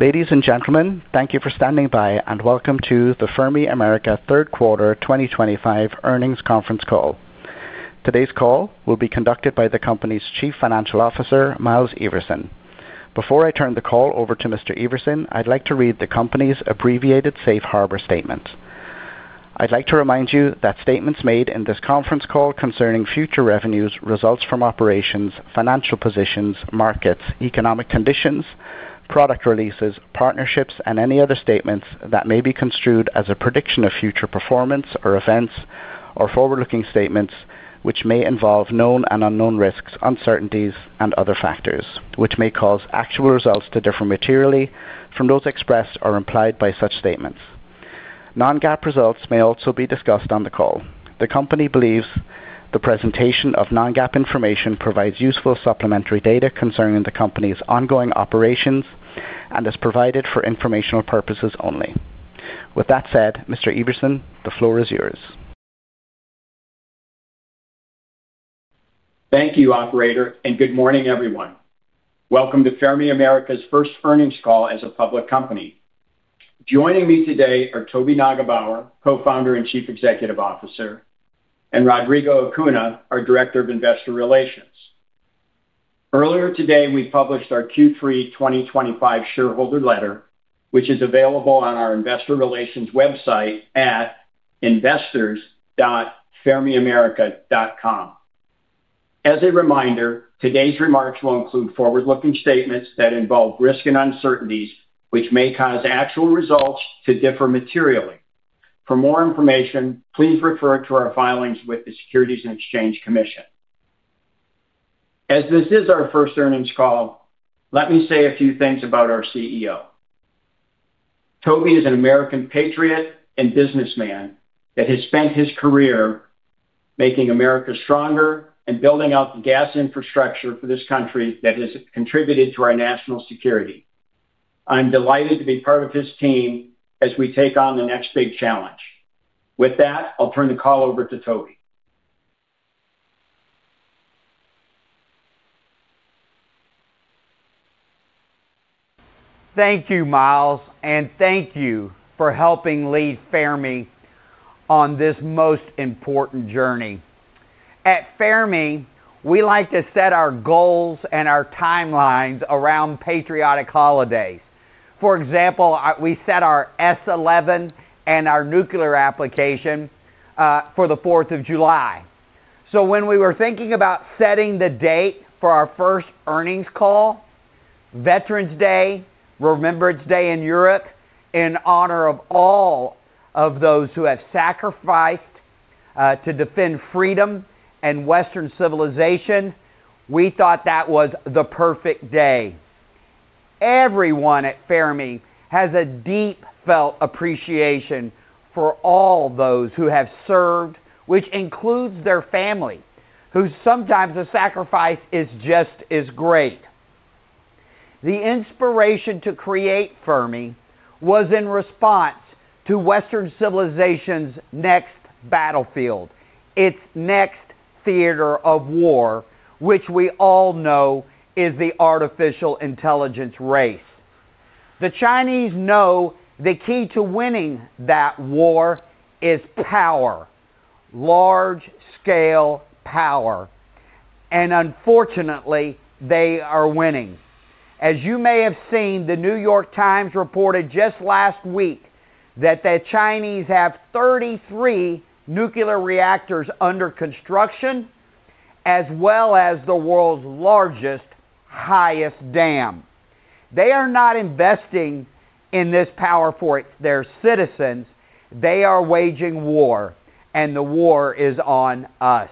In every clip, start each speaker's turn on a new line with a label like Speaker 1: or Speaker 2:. Speaker 1: Ladies and gentlemen, thank you for standing by, and welcome to the Fermi Emmanuel third quarter 2025 earnings conference call. Today's call will be conducted by the company's Chief Financial Officer, Miles Everson. Before I turn the call over to Mr. Everson, I'd like to read the company's abbreviated Safe Harbor Statement. I'd like to remind you that statements made in this conference call concerning future revenues, results from operations, financial positions, markets, economic conditions, product releases, partnerships, and any other statements that may be construed as a prediction of future performance or events or forward-looking statements which may involve known and unknown risks, uncertainties, and other factors which may cause actual results to differ materially from those expressed or implied by such statements. Non-GAAP results may also be discussed on the call. The company believes the presentation of non-GAAP information provides useful supplementary data concerning the company's ongoing operations and is provided for informational purposes only. With that said, Mr. Everson, the floor is yours.
Speaker 2: Thank you, operator, and good morning, everyone. Welcome to Fermi Emmanuel's first earnings call as a public company. Joining me today are Toby Neugebauer, Co-founder and Chief Executive Officer, and Rodrigo Acuna, our Director of Investor Relations. Earlier today, we published our Q3 2025 shareholder letter, which is available on our Investor Relations website at investors.fermiamerica.com. As a reminder, today's remarks will include forward-looking statements that involve risk and uncertainties which may cause actual results to differ materially. For more information, please refer to our filings with the U.S. Securities and Exchange Commission. As this is our first earnings call, let me say a few things about our CEO. Toby is an American patriot and businessman that has spent his career making America stronger and building out the gas infrastructure for this country that has contributed to our national security. I'm delighted to be part of his team as we take on the next big challenge. With that, I'll turn the call over to Toby.
Speaker 3: Thank you, Miles, and thank you for helping lead Fermi on this most important journey. At Fermi, we like to set our goals and our timelines around patriotic holidays. For example, we set our S-1 and our nuclear application for the 4th of July. When we were thinking about setting the date for our first earnings call, Veterans Day, Remembrance Day in Europe, in honor of all of those who have sacrificed to defend freedom and Western civilization, we thought that was the perfect day. Everyone at Fermi has a deep-felt appreciation for all those who have served, which includes their family, whose sometimes the sacrifice is just as great. The inspiration to create Fermi was in response to Western civilization's next battlefield, its next theater of war, which we all know is the artificial intelligence race. The Chinese know the key to winning that war is power, large-scale power, and unfortunately, they are winning. As you may have seen, The New York Times reported just last week that the Chinese have 33 nuclear reactors under construction, as well as the world's largest, highest dam. They are not investing in this power for their citizens. They are waging war, and the war is on us.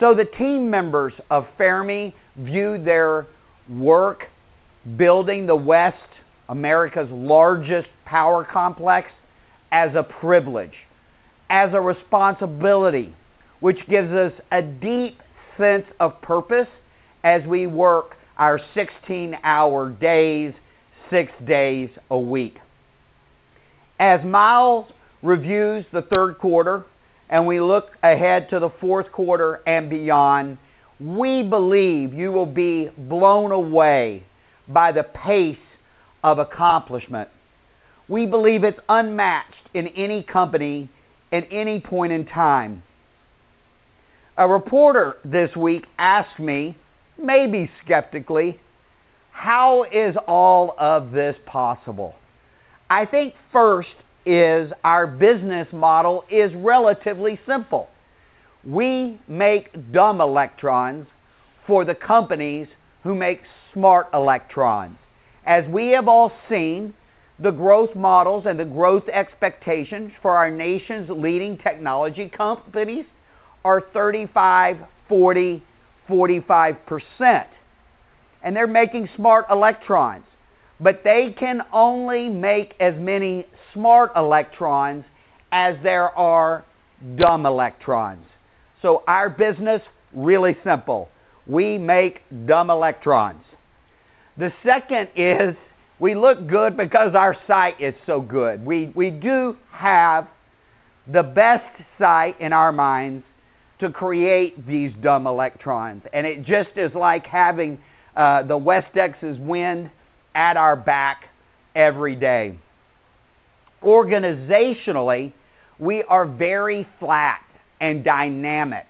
Speaker 3: The team members of Fermi view their work building the West, America's largest power complex, as a privilege, as a responsibility, which gives us a deep sense of purpose as we work our 16-hour days, six days a week. As Miles reviews the third quarter and we look ahead to the fourth quarter and beyond, we believe you will be blown away by the pace of accomplishment. We believe it's unmatched in any company at any point in time. A reporter this week asked me, maybe skeptically, how is all of this possible? I think first is our business model is relatively simple. We make dumb electrons for the companies who make smart electrons. As we have all seen, the growth models and the growth expectations for our nation's leading technology companies are 35%, 40%, 45%, and they're making smart electrons, but they can only make as many smart electrons as there are dumb electrons. Our business is really simple. We make dumb electrons. The second is we look good because our site is so good. We do have the best site in our minds to create these dumb electrons, and it just is like having the West Texas wind at our back every day. Organizationally, we are very flat and dynamic,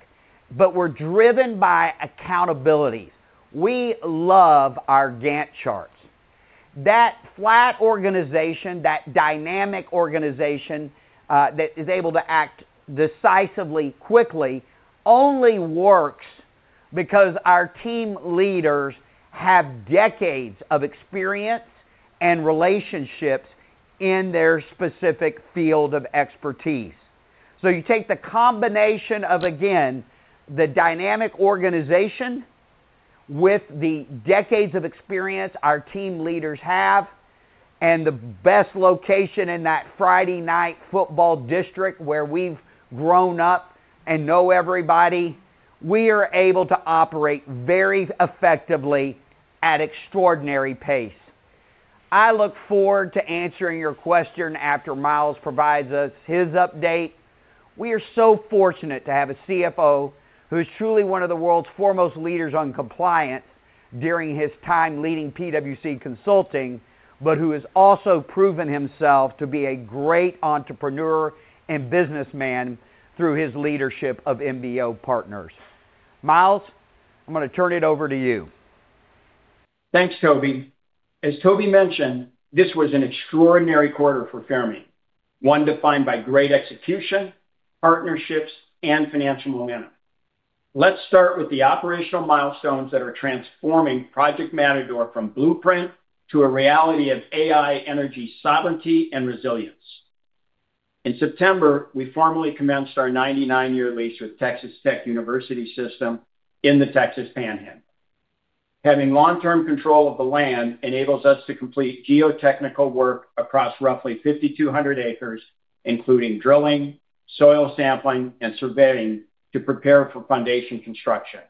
Speaker 3: but we're driven by accountability. We love our Gantt charts. That flat organization, that dynamic organization that is able to act decisively quickly only works because our team leaders have decades of experience and relationships in their specific field of expertise. You take the combination of, again, the dynamic organization with the decades of experience our team leaders have and the best location in that Friday night football district where we've grown up and know everybody, we are able to operate very effectively at extraordinary pace. I look forward to answering your question after Miles provides us his update. We are so fortunate to have a CFO who is truly one of the world's foremost leaders on compliance during his time leading PWC Consulting, but who has also proven himself to be a great entrepreneur and businessman through his leadership of MBO Partners. Miles, I'm going to turn it over to you.
Speaker 2: Thanks, Toby. As Toby mentioned, this was an extraordinary quarter for Fermi, one defined by great execution, partnerships, and financial momentum. Let's start with the operational milestones that are transforming Project Matador from blueprint to a reality of AI energy sovereignty and resilience. In September, we formally commenced our 99-year lease with Texas Tech University System in the Texas Panhandle. Having long-term control of the land enables us to complete geotechnical work across roughly 5,200 acres, including drilling, soil sampling, and surveying to prepare for foundation construction.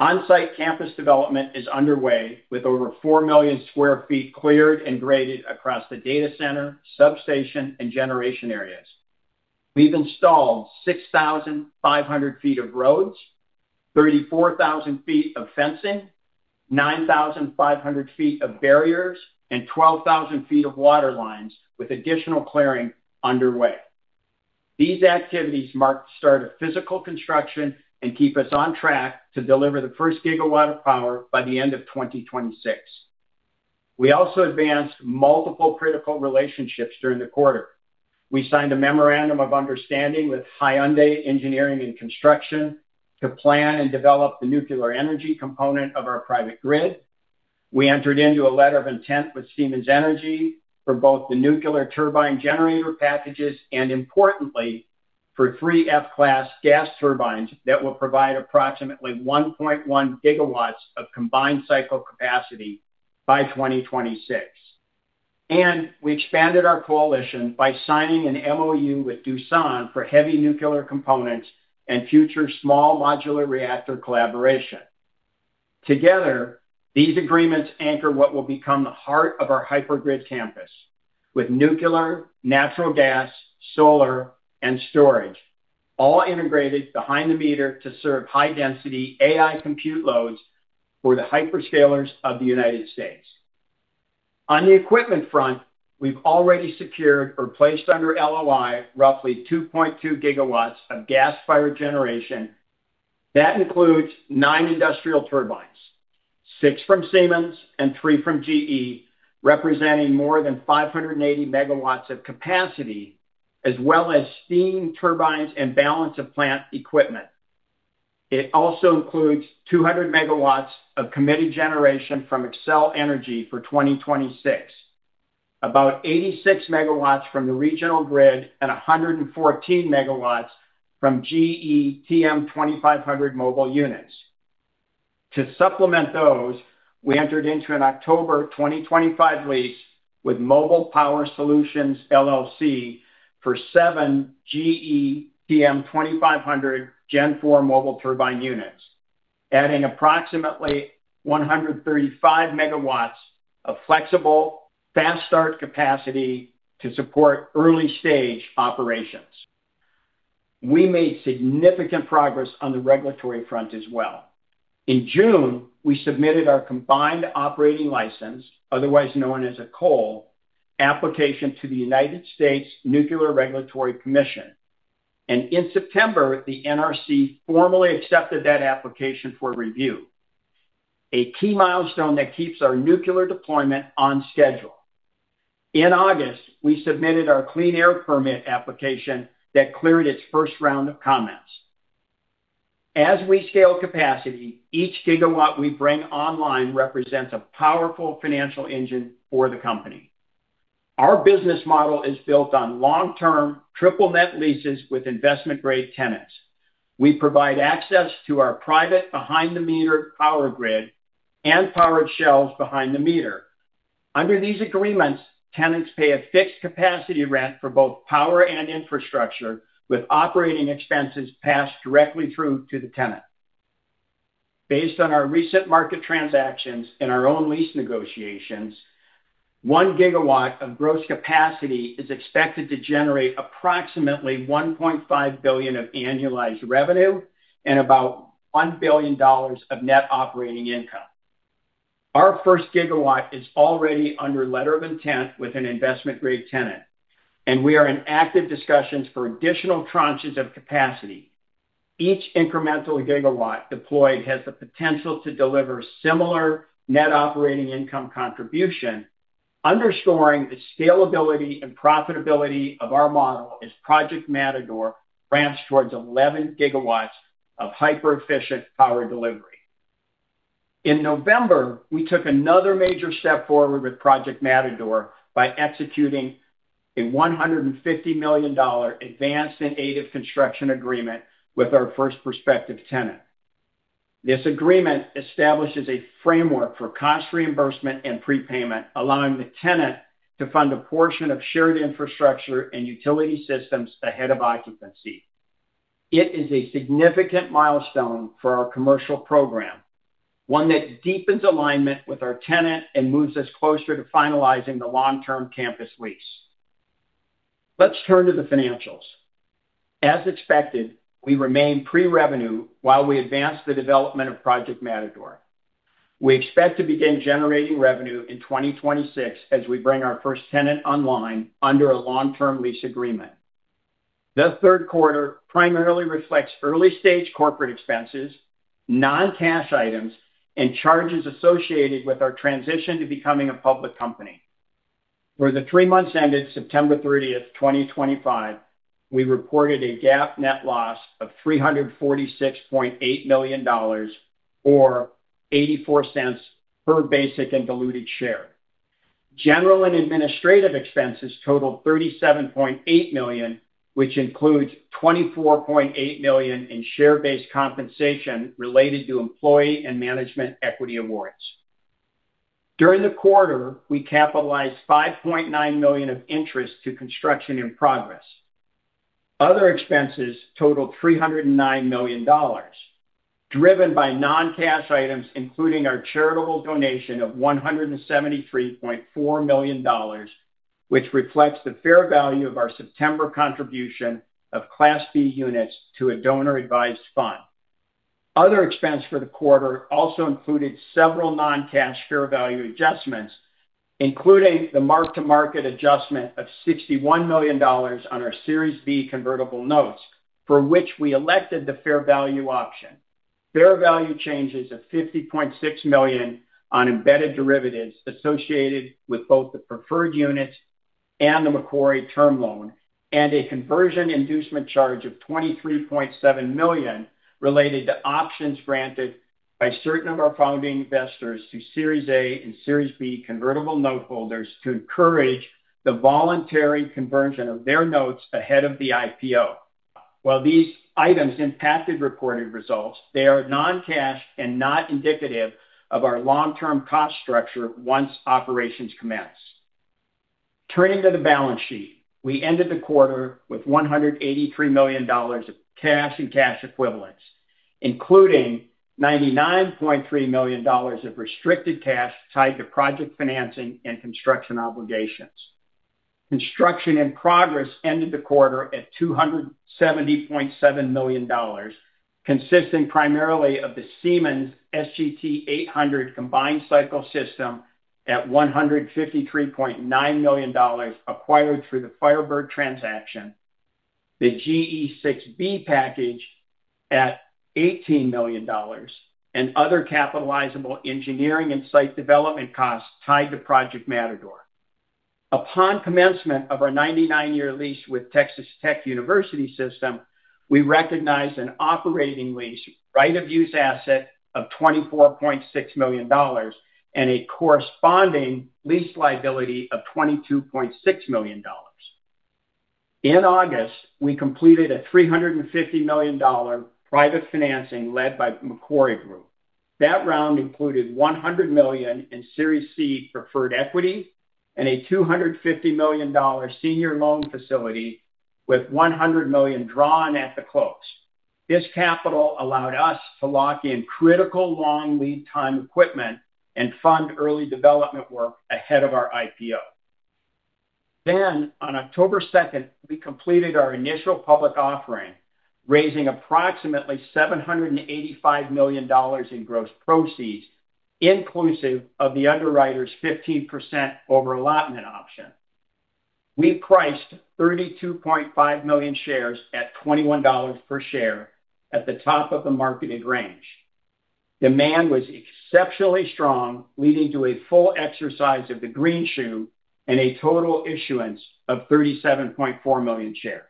Speaker 2: On-site campus development is underway with over 4 million sq ft cleared and graded across the data center, substation, and generation areas. We've installed 6,500 ft of roads, 34,000 ft of fencing, 9,500 ft of barriers, and 12,000 ft of water lines with additional clearing underway. These activities mark the start of physical construction and keep us on track to deliver the first gigawatt of power by the end of 2026. We also advanced multiple critical relationships during the quarter. We signed a memorandum of understanding with Hyundai Engineering and Construction to plan and develop the nuclear energy component of our private grid. We entered into a letter of intent with Siemens Energy for both the nuclear turbine generator packages and, importantly, for three F-class gas turbines that will provide approximately 1.1 gigawatts of combined-cycle capacity by 2026. We expanded our coalition by signing an MoU with Doosan for heavy nuclear components and future small modular reactor collaboration. Together, these agreements anchor what will become the heart of our hypergrid campus with nuclear, natural gas, solar, and storage, all integrated behind the meter to serve high-density AI compute loads for the hyperscalers of the United States. On the equipment front, we have already secured or placed under LOI roughly 2.2 GW of gas-fired generation. That includes nine industrial turbines, six from Siemens and three from GE, representing more than 580 MW of capacity, as well as steam turbines and balance of plant equipment. It also includes 200 MW of committed generation from Excel Energy for 2026, about 86 MW from the regional grid, and 114 MW from GE TM2500 mobile units. To supplement those, we entered into an October 2025 lease with Mobile Power Solutions for seven GE TM2500 gen four mobile turbine units, adding approximately 135 megawatts of flexible fast-start capacity to support early-stage operations. We made significant progress on the regulatory front as well. In June, we submitted our combined operating license, otherwise known as a COLE, application to the U.S. Nuclear Regulatory Commission. In September, the NRC formally accepted that application for review, a key milestone that keeps our nuclear deployment on schedule. In August, we submitted our clean air permit application that cleared its first round of comments. As we scale capacity, each gigawatt we bring online represents a powerful financial engine for the company. Our business model is built on long-term triple-net leases with investment-grade tenants. We provide access to our private behind-the-meter power grid and powered shelves behind the meter. Under these agreements, tenants pay a fixed capacity rent for both power and infrastructure, with operating expenses passed directly through to the tenant. Based on our recent market transactions and our own lease negotiations, one gigawatt of gross capacity is expected to generate approximately $1.5 billion of annualized revenue and about $1 billion of net operating income. Our first gigawatt is already under letter of intent with an investment-grade tenant, and we are in active discussions for additional tranches of capacity. Each incremental gigawatt deployed has the potential to deliver similar net operating income contribution, underscoring the scalability and profitability of our model as Project Matador ramps towards 11 gigawatts of hyper-efficient power delivery. In November, we took another major step forward with Project Matador by executing a $150 million advance and aid of construction agreement with our first prospective tenant. This agreement establishes a framework for cost reimbursement and prepayment, allowing the tenant to fund a portion of shared infrastructure and utility systems ahead of occupancy. It is a significant milestone for our commercial program, one that deepens alignment with our tenant and moves us closer to finalizing the long-term campus lease. Let's turn to the financials. As expected, we remain pre-revenue while we advance the development of Project Matador. We expect to begin generating revenue in 2026 as we bring our first tenant online under a long-term lease agreement. The third quarter primarily reflects early-stage corporate expenses, non-cash items, and charges associated with our transition to becoming a public company. For the three months ended September 30th, 2025, we reported a GAAP net loss of $346.8 million, or $0.84 per basic and diluted share. General and administrative expenses totaled $37.8 million, which includes $24.8 million in share-based compensation related to employee and management equity awards. During the quarter, we capitalized $5.9 million of interest to construction in progress. Other expenses totaled $309 million, driven by non-cash items, including our charitable donation of $173.4 million, which reflects the fair value of our September contribution of Class B units to a donor-advised fund. Other expenses for the quarter also included several non-cash fair value adjustments, including the mark-to-market adjustment of $61 million on our Series B convertible notes, for which we elected the fair value option. Fair value changes of $50.6 million on embedded derivatives associated with both the preferred units and the McCrory term loan, and a conversion inducement charge of $23.7 million related to options granted by certain of our founding investors to Series A and Series B convertible note holders to encourage the voluntary conversion of their notes ahead of the IPO. While these items impacted reported results, they are non-cash and not indicative of our long-term cost structure once operations commence. Turning to the balance sheet, we ended the quarter with $183 million of cash and cash equivalents, including $99.3 million of restricted cash tied to project financing and construction obligations. Construction in progress ended the quarter at $270.7 million, consisting primarily of the Siemens SGT800 combined cycle system at $153.9 million acquired through the Firebird transaction, the GE 6B package at $18 million, and other capitalizable engineering and site development costs tied to Project Matador. Upon commencement of our 99-year lease with Texas Tech University System, we recognize an operating lease, right of use asset of $24.6 million, and a corresponding lease liability of $22.6 million. In August, we completed a $350 million private financing led by McCrory Group. That round included $100 million in Series C preferred equity and a $250 million senior loan facility with $100 million drawn at the close. This capital allowed us to lock in critical long lead-time equipment and fund early development work ahead of our IPO. On October 2nd, we completed our initial public offering, raising approximately $785 million in gross proceeds, inclusive of the underwriter's 15% overallotment option. We priced 32.5 million shares at $21 per share at the top of the marketed range. Demand was exceptionally strong, leading to a full exercise of the green shoe and a total issuance of 37.4 million shares.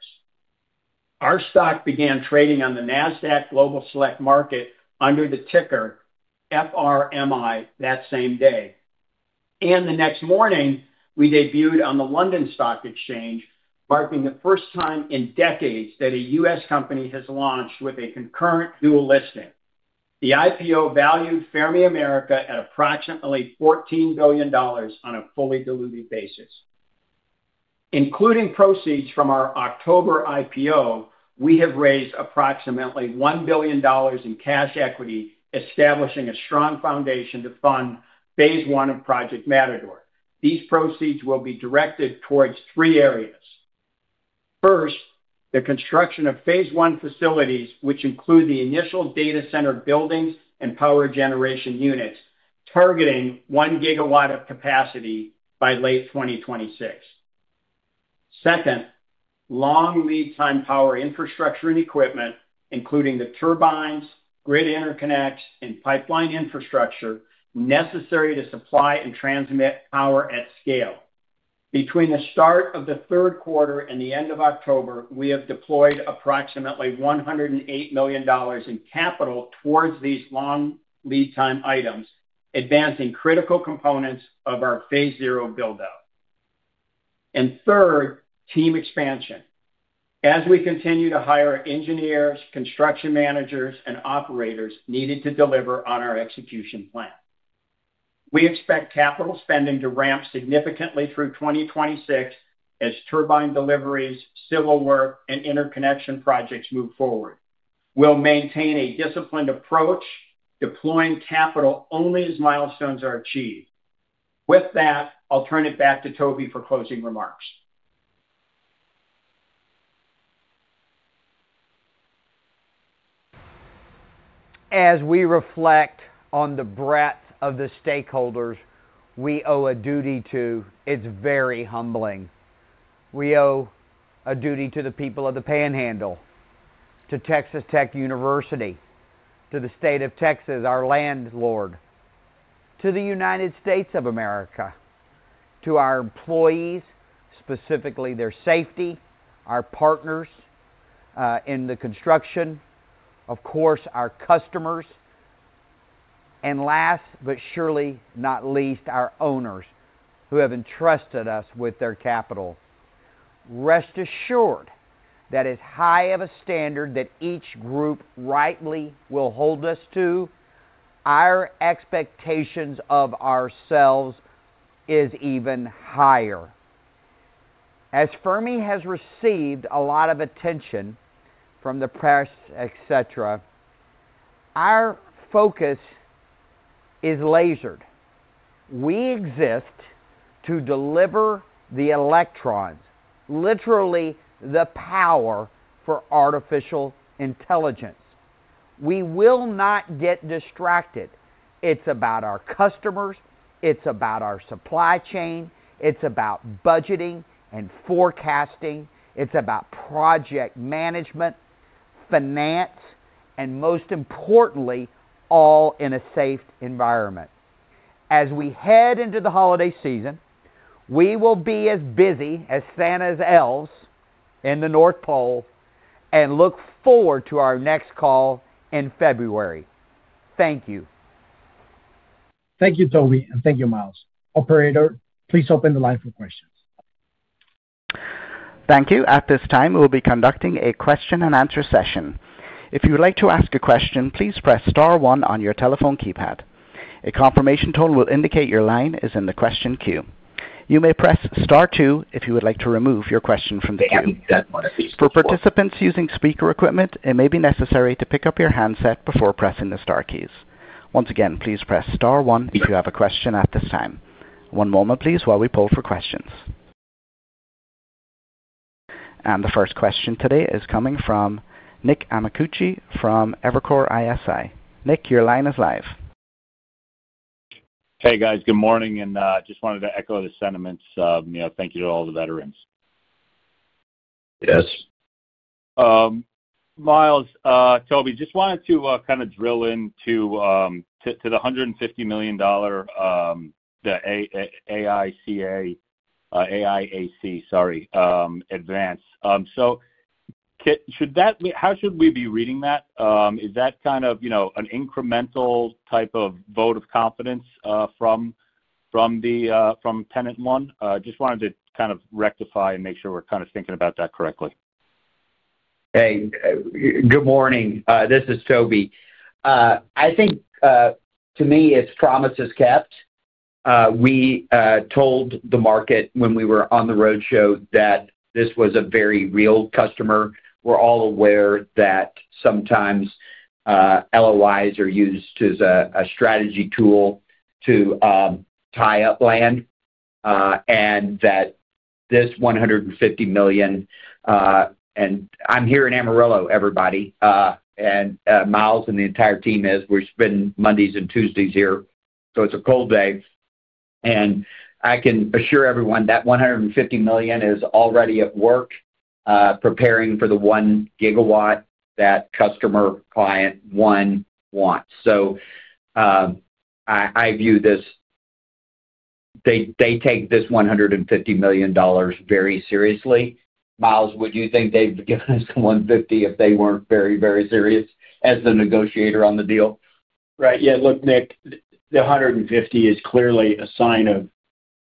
Speaker 2: Our stock began trading on the NASDAQ Global Select Market under the ticker FRMI that same day. The next morning, we debuted on the London Stock Exchange, marking the first time in decades that a U.S. company has launched with a concurrent dual listing. The IPO valued Fermi Emmanuel Walter at approximately $14 billion on a fully diluted basis. Including proceeds from our October IPO, we have raised approximately $1 billion in cash equity, establishing a strong foundation to fund phase one of Project Matador. These proceeds will be directed towards three areas. First, the construction of phase one facilities, which include the initial data center buildings and power generation units, targeting 1 gigawatt of capacity by late 2026. Second, long lead-time power infrastructure and equipment, including the turbines, grid interconnects, and pipeline infrastructure necessary to supply and transmit power at scale. Between the start of the third quarter and the end of October, we have deployed approximately $108 million in capital towards these long lead-time items, advancing critical components of our phase zero build-out. Third, team expansion, as we continue to hire engineers, construction managers, and operators needed to deliver on our execution plan. We expect capital spending to ramp significantly through 2026 as turbine deliveries, civil work, and interconnection projects move forward. We'll maintain a disciplined approach, deploying capital only as milestones are achieved. With that, I'll turn it back to Toby for closing remarks.
Speaker 3: As we reflect on the breadth of the stakeholders we owe a duty to, it's very humbling. We owe a duty to the people of the Panhandle, to Texas Tech University, to the state of Texas, our landlord, to the United States of America, to our employees, specifically their safety, our partners in the construction, of course, our customers, and last but surely not least, our owners who have entrusted us with their capital. Rest assured that as high of a standard that each group rightly will hold us to, our expectations of ourselves is even higher. As Fermi has received a lot of attention from the press, etc., our focus is lasered. We exist to deliver the electrons, literally the power for artificial intelligence. We will not get distracted. It's about our customers. It's about our supply chain. It's about budgeting and forecasting. It's about project management, finance, and most importantly, all in a safe environment. As we head into the holiday season, we will be as busy as Santa's elves in the North Pole and look forward to our next call in February. Thank you.
Speaker 2: Thank you, Toby
Speaker 3: and thank you, Miles.
Speaker 2: Operator, please open the line for questions.
Speaker 1: Thank you. At this time, we will be conducting a question-and-answer session. If you would like to ask a question, please press star one on your telephone keypad. A confirmation tone will indicate your line is in the question queue. You may press star two if you would like to remove your question from the queue. For participants using speaker equipment, it may be necessary to pick up your handset before pressing the star keys. Once again, please press star one if you have a question at this time. One moment, please, while we pull for questions. The first question today is coming from Nick Amicucci from Evercore ISI. Nick, your line is live.
Speaker 4: Hey, guys. Good morning. I just wanted to echo the sentiments. Thank you to all the veterans.
Speaker 2: Yes.
Speaker 4: Miles, Toby, just wanted to kind of drill into the $150 million, the AICA, AIAC, sorry, advance. How should we be reading that? Is that kind of an incremental type of vote of confidence from tenant one? Just wanted to kind of rectify and make sure we're kind of thinking about that correctly.
Speaker 3: Hey, good morning. This is Toby. I think to me, it's promises kept. We told the market when we were on the road show that this was a very real customer. We're all aware that sometimes LOIs are used as a strategy tool to tie up land and that this $150 million—and I'm here in Amarillo, everybody—and Miles and the entire team is. We've been Mondays and Tuesdays here, so it's a cold day. I can assure everyone that $150 million is already at work preparing for the 1GW that customer client one wants. I view this—they take this $150 million very seriously. Miles, would you think they'd given us the $150 million if they weren't very, very serious as the negotiator on the deal?
Speaker 2: Right. Yeah. Look, Nick, the $150 million is clearly a sign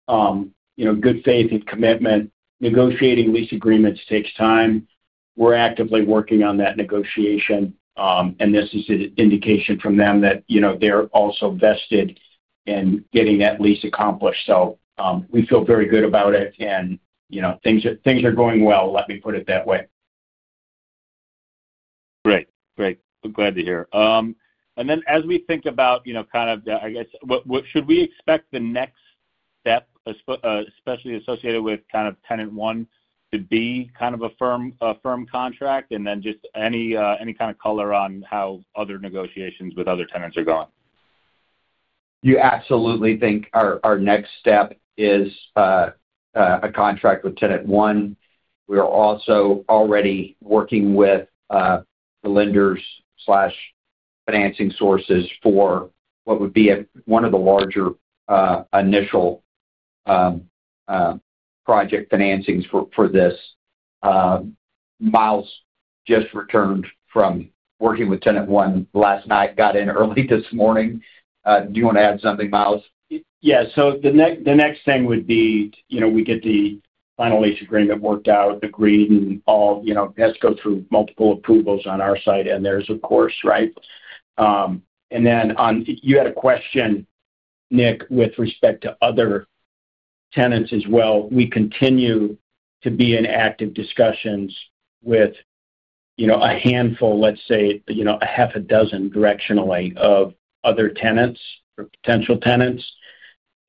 Speaker 2: of good faith and commitment. Negotiating lease agreements takes time. We're actively working on that negotiation. This is an indication from them that they're also vested in getting that lease accomplished. We feel very good about it. Things are going well, let me put it that way.
Speaker 4: Great. Great. I'm glad to hear. As we think about, I guess, should we expect the next step, especially associated with tenant one, to be a firm contract? Any color on how other negotiations with other tenants are going?
Speaker 3: You absolutely think our next step is a contract with tenant one. We are also already working with the lenders/financing sources for what would be one of the larger initial project financings for this. Miles just returned from working with tenant one last night, got in early this morning. Do you want to add something, Miles?
Speaker 2: Yeah so the next thing would be we get the final lease agreement worked out, agreed, and all has to go through multiple approvals on our side and theirs, of course, right? You had a question, Nick, with respect to other tenants as well. We continue to be in active discussions with a handful, let's say, half a dozen directionally of other tenants or potential tenants.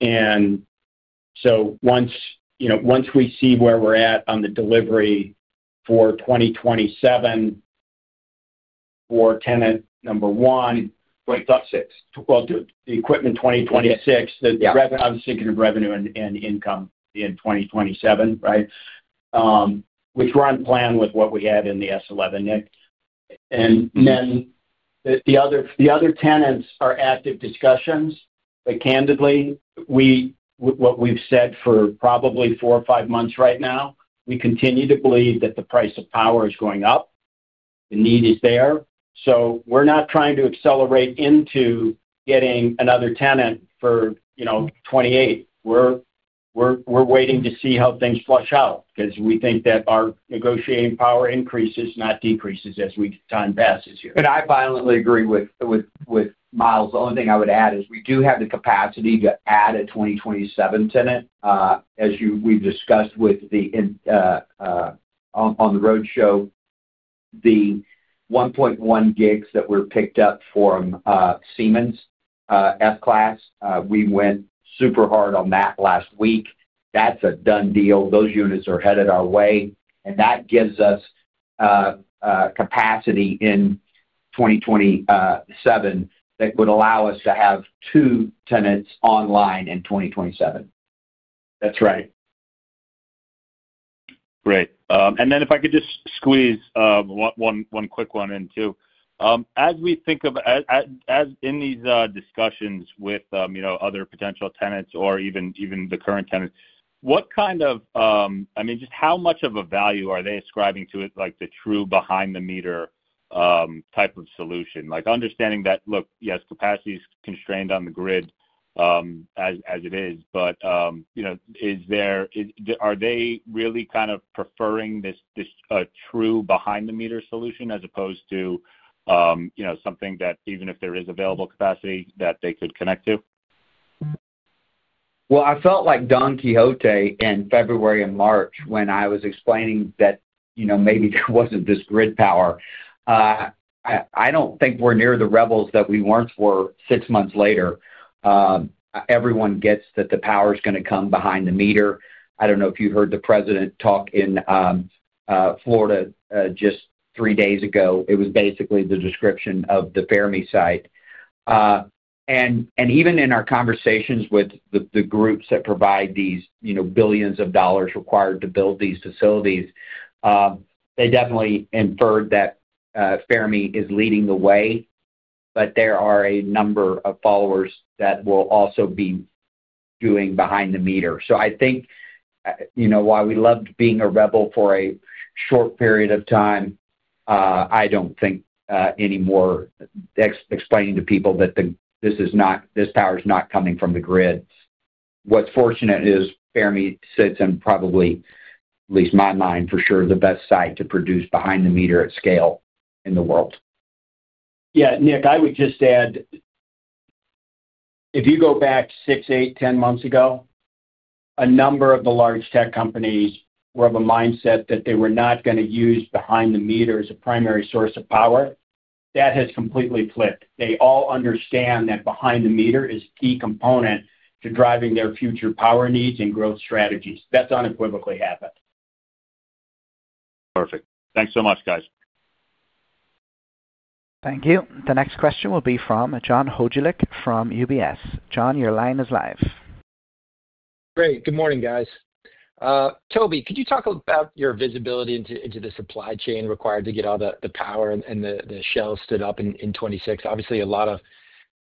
Speaker 2: Once we see where we're at on the delivery for 2027 for tenant number one. Right. Top six. The equipment 2026, I was thinking of revenue and income in 2027, right, which were on plan with what we had in the S-1, Nick.
Speaker 3: The other tenants are active discussions. Candidly, what we've said for probably four or five months right now, we continue to believe that the price of power is going up. The need is there. We are not trying to accelerate into getting another tenant for 2028. We are waiting to see how things flush out because we think that our negotiating power increases, not decreases, as time passes here. I violently agree with Miles. The only thing I would add is we do have the capacity to add a 2027 tenant. As we have discussed on the road show, the 1.1 gigs that were picked up from Siemens F-Class, we went super hard on that last week. That is a done deal. Those units are headed our way. That gives us capacity in 2027 that would allow us to have two tenants online in 2027. That is right.
Speaker 4: Great. If I could just squeeze one quick one in too. As we think of, as in these discussions with other potential tenants or even the current tenants, what kind of, I mean, just how much of a value are they ascribing to it, like the true behind-the-meter type of solution? Understanding that, look, yes, capacity is constrained on the grid as it is, but are they really kind of preferring this true behind-the-meter solution as opposed to something that, even if there is available capacity, that they could connect to?
Speaker 3: I felt like Don Quixote in February and March when I was explaining that maybe there wasn't this grid power. I don't think we're near the rebels that we weren't for six months later. Everyone gets that the power is going to come behind the meter. I don't know if you heard the president talk in Florida just three days ago. It was basically the description of the Fermi site. And even in our conversations with the groups that provide these billions of dollars required to build these facilities, they definitely inferred that Fermi is leading the way, but there are a number of followers that will also be doing behind-the-meter. So I think while we loved being a rebel for a short period of time, I do not think anymore explaining to people that this power is not coming from the grid. What's fortunate is Fermi sits in probably, at least my mind, for sure, the best site to produce behind-the-meter at scale in the world.
Speaker 2: Yeah. Nick, I would just add, if you go back six, eight, 10 months ago, a number of the large tech companies were of a mindset that they were not going to use behind-the-meter as a primary source of power. That has completely flipped. They all understand that behind-the-meter is a key component to driving their future power needs and growth strategies. That's unequivocally happened.
Speaker 4: Perfect. Thanks so much, guys. Thank you.
Speaker 1: The next question will be from John Hodulik from UBS. John, your line is live.
Speaker 5: Great. Good morning, guys. Toby, could you talk about your visibility into the supply chain required to get all the power and the shelves stood up in 2026? Obviously, a lot of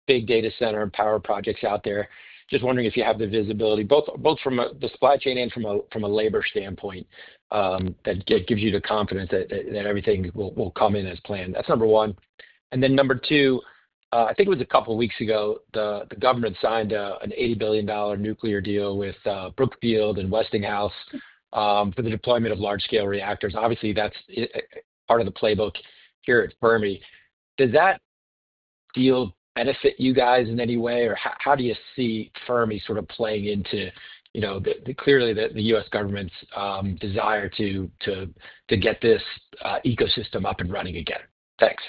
Speaker 5: big data center and power projects out there. Just wondering if you have the visibility, both from the supply chain and from a labor standpoint, that gives you the confidence that everything will come in as planned. That's number one. And then number two, I think it was a couple of weeks ago, the government signed an $80 billion nuclear deal with Brookfield and Westinghouse for the deployment of large-scale reactors. Obviously, that's part of the playbook here at Fermi. Does that deal benefit you guys in any way? Or how do you see Fermi sort of playing into clearly the U.S. government's desire to get this ecosystem up and running again? Thanks.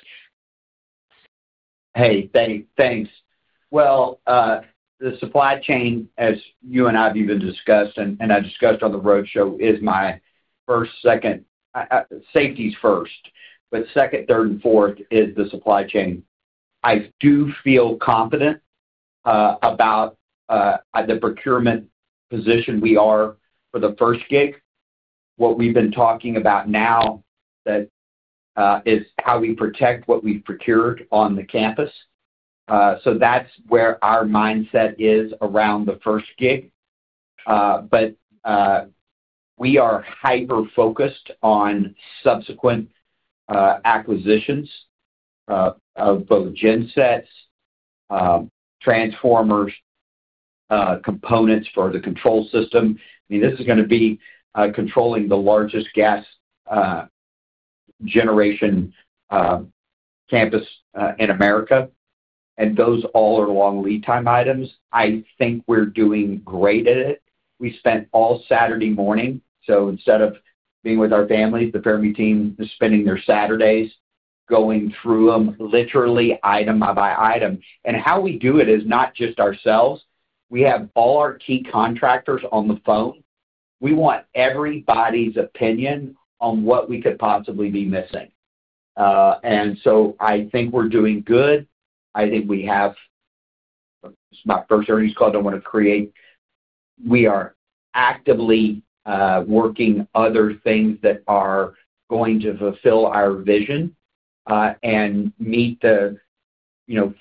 Speaker 3: Hey, thanks. The supply chain, as you and I have even discussed, and I discussed on the road show, is my first, second safety's first. Second, third, and fourth is the supply chain. I do feel confident about the procurement position we are for the first gig. What we've been talking about now is how we protect what we've procured on the campus. That's where our mindset is around the first gig. We are hyper-focused on subsequent acquisitions of both gensets, transformers, components for the control system. I mean, this is going to be controlling the largest gas generation campus in America. Those all are long lead time items. I think we're doing great at it. We spent all Saturday morning. Instead of being with our families, the Fermi team is spending their Saturdays going through them literally item by item. How we do it is not just ourselves. We have all our key contractors on the phone. We want everybody's opinion on what we could possibly be missing. I think we're doing good. I think we have—this is my first earnings call. I do not want to create—we are actively working other things that are going to fulfill our vision and meet the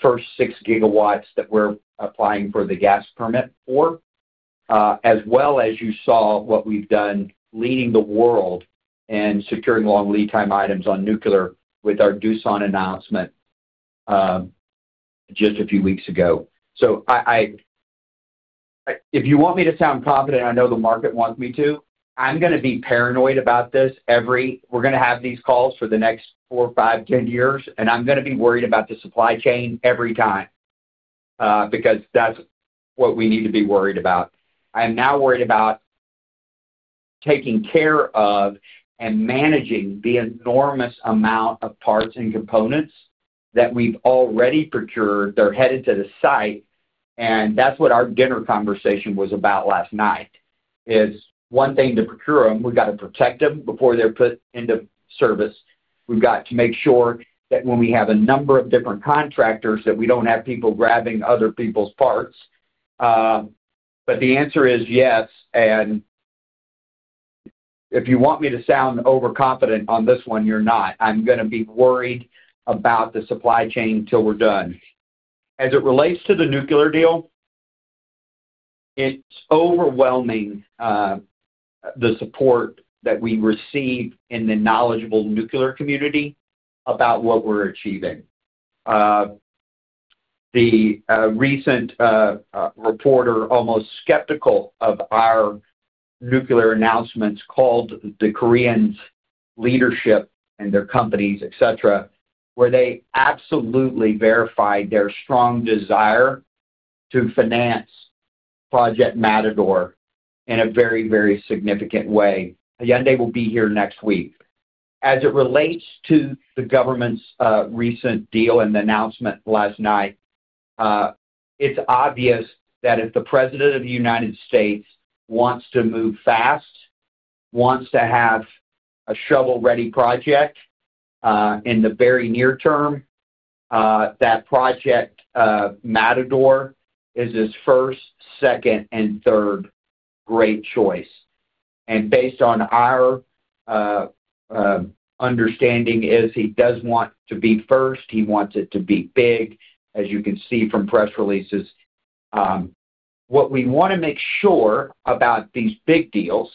Speaker 3: first 6 GW that we're applying for the gas permit for, as well as you saw what we've done leading the world in securing long lead time items on nuclear with our Doosan announcement just a few weeks ago. If you want me to sound confident, I know the market wants me to. I'm going to be paranoid about this. We're going to have these calls for the next 4, 5, 10 years. I'm going to be worried about the supply chain every time because that's what we need to be worried about. I'm now worried about taking care of and managing the enormous amount of parts and components that we've already procured. They're headed to the site. That's what our dinner conversation was about last night. It is one thing to procure them. We've got to protect them before they're put into service. We've got to make sure that when we have a number of different contractors, we don't have people grabbing other people's parts. The answer is yes. If you want me to sound overconfident on this one, you're not. I'm going to be worried about the supply chain till we're done. As it relates to the nuclear deal, it's overwhelming the support that we receive in the knowledgeable nuclear community about what we're achieving. The recent reporter, almost skeptical of our nuclear announcements, called the Korean leadership and their companies, etc., where they absolutely verified their strong desire to finance Project Matador in a very, very significant way. Hyundai will be here next week. As it relates to the government's recent deal and the announcement last night, it's obvious that if the President of the United States wants to move fast, wants to have a shovel-ready project in the very near term, that Project Matador is his first, second, and third great choice. Based on our understanding, he does want to be first. He wants it to be big, as you can see from press releases. What we want to make sure about these big deals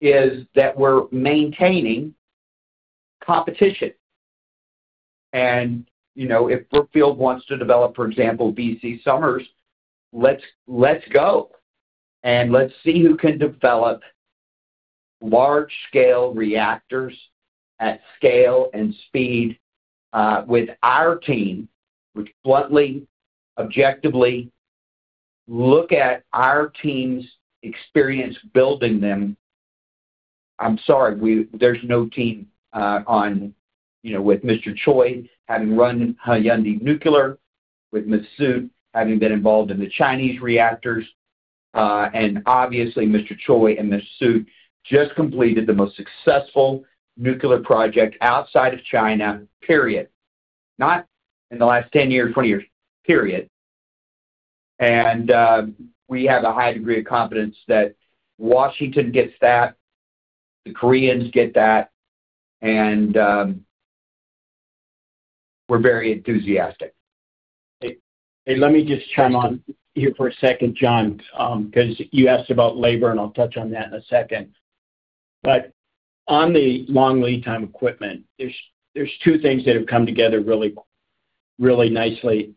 Speaker 3: is that we're maintaining competition. If Brookfield wants to develop, for example, BC Summers, let's go. Let's see who can develop large-scale reactors at scale and speed with our team, which, bluntly, objectively, look at our team's experience building them. I'm sorry, there's no team on with Mr. Choi having run Hyundai Nuclear, with Ms. Soot having been involved in the Chinese reactors. Obviously, Mr. Choi and Ms. Soot just completed the most successful nuclear project outside of China, period. Not in the last 10 years, 20 years, period. We have a high degree of confidence that Washington gets that, the Koreans get that, and we're very enthusiastic. Hey, let me just chime on here for a second, John, because you asked about labor, and I'll touch on that in a second. On the long lead time equipment, there are two things that have come together really nicely.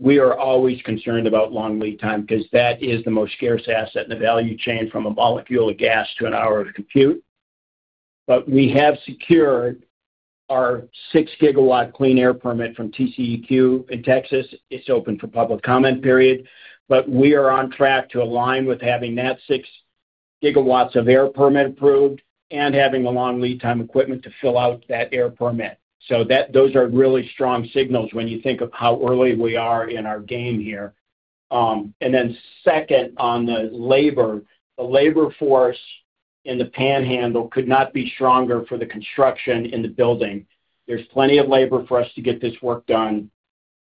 Speaker 3: We are always concerned about long lead time because that is the most scarce asset in the value chain from a molecule of gas to an hour of compute. We have secured our 6-gigawatt clean air permit from TCEQ in Texas. It is open for public comment, period. We are on track to align with having that 6 gigawatts of air permit approved and having the long lead time equipment to fill out that air permit. Those are really strong signals when you think of how early we are in our game here. Second, on the labor, the labor force in the Panhandle could not be stronger for the construction and the building. There is plenty of labor for us to get this work done.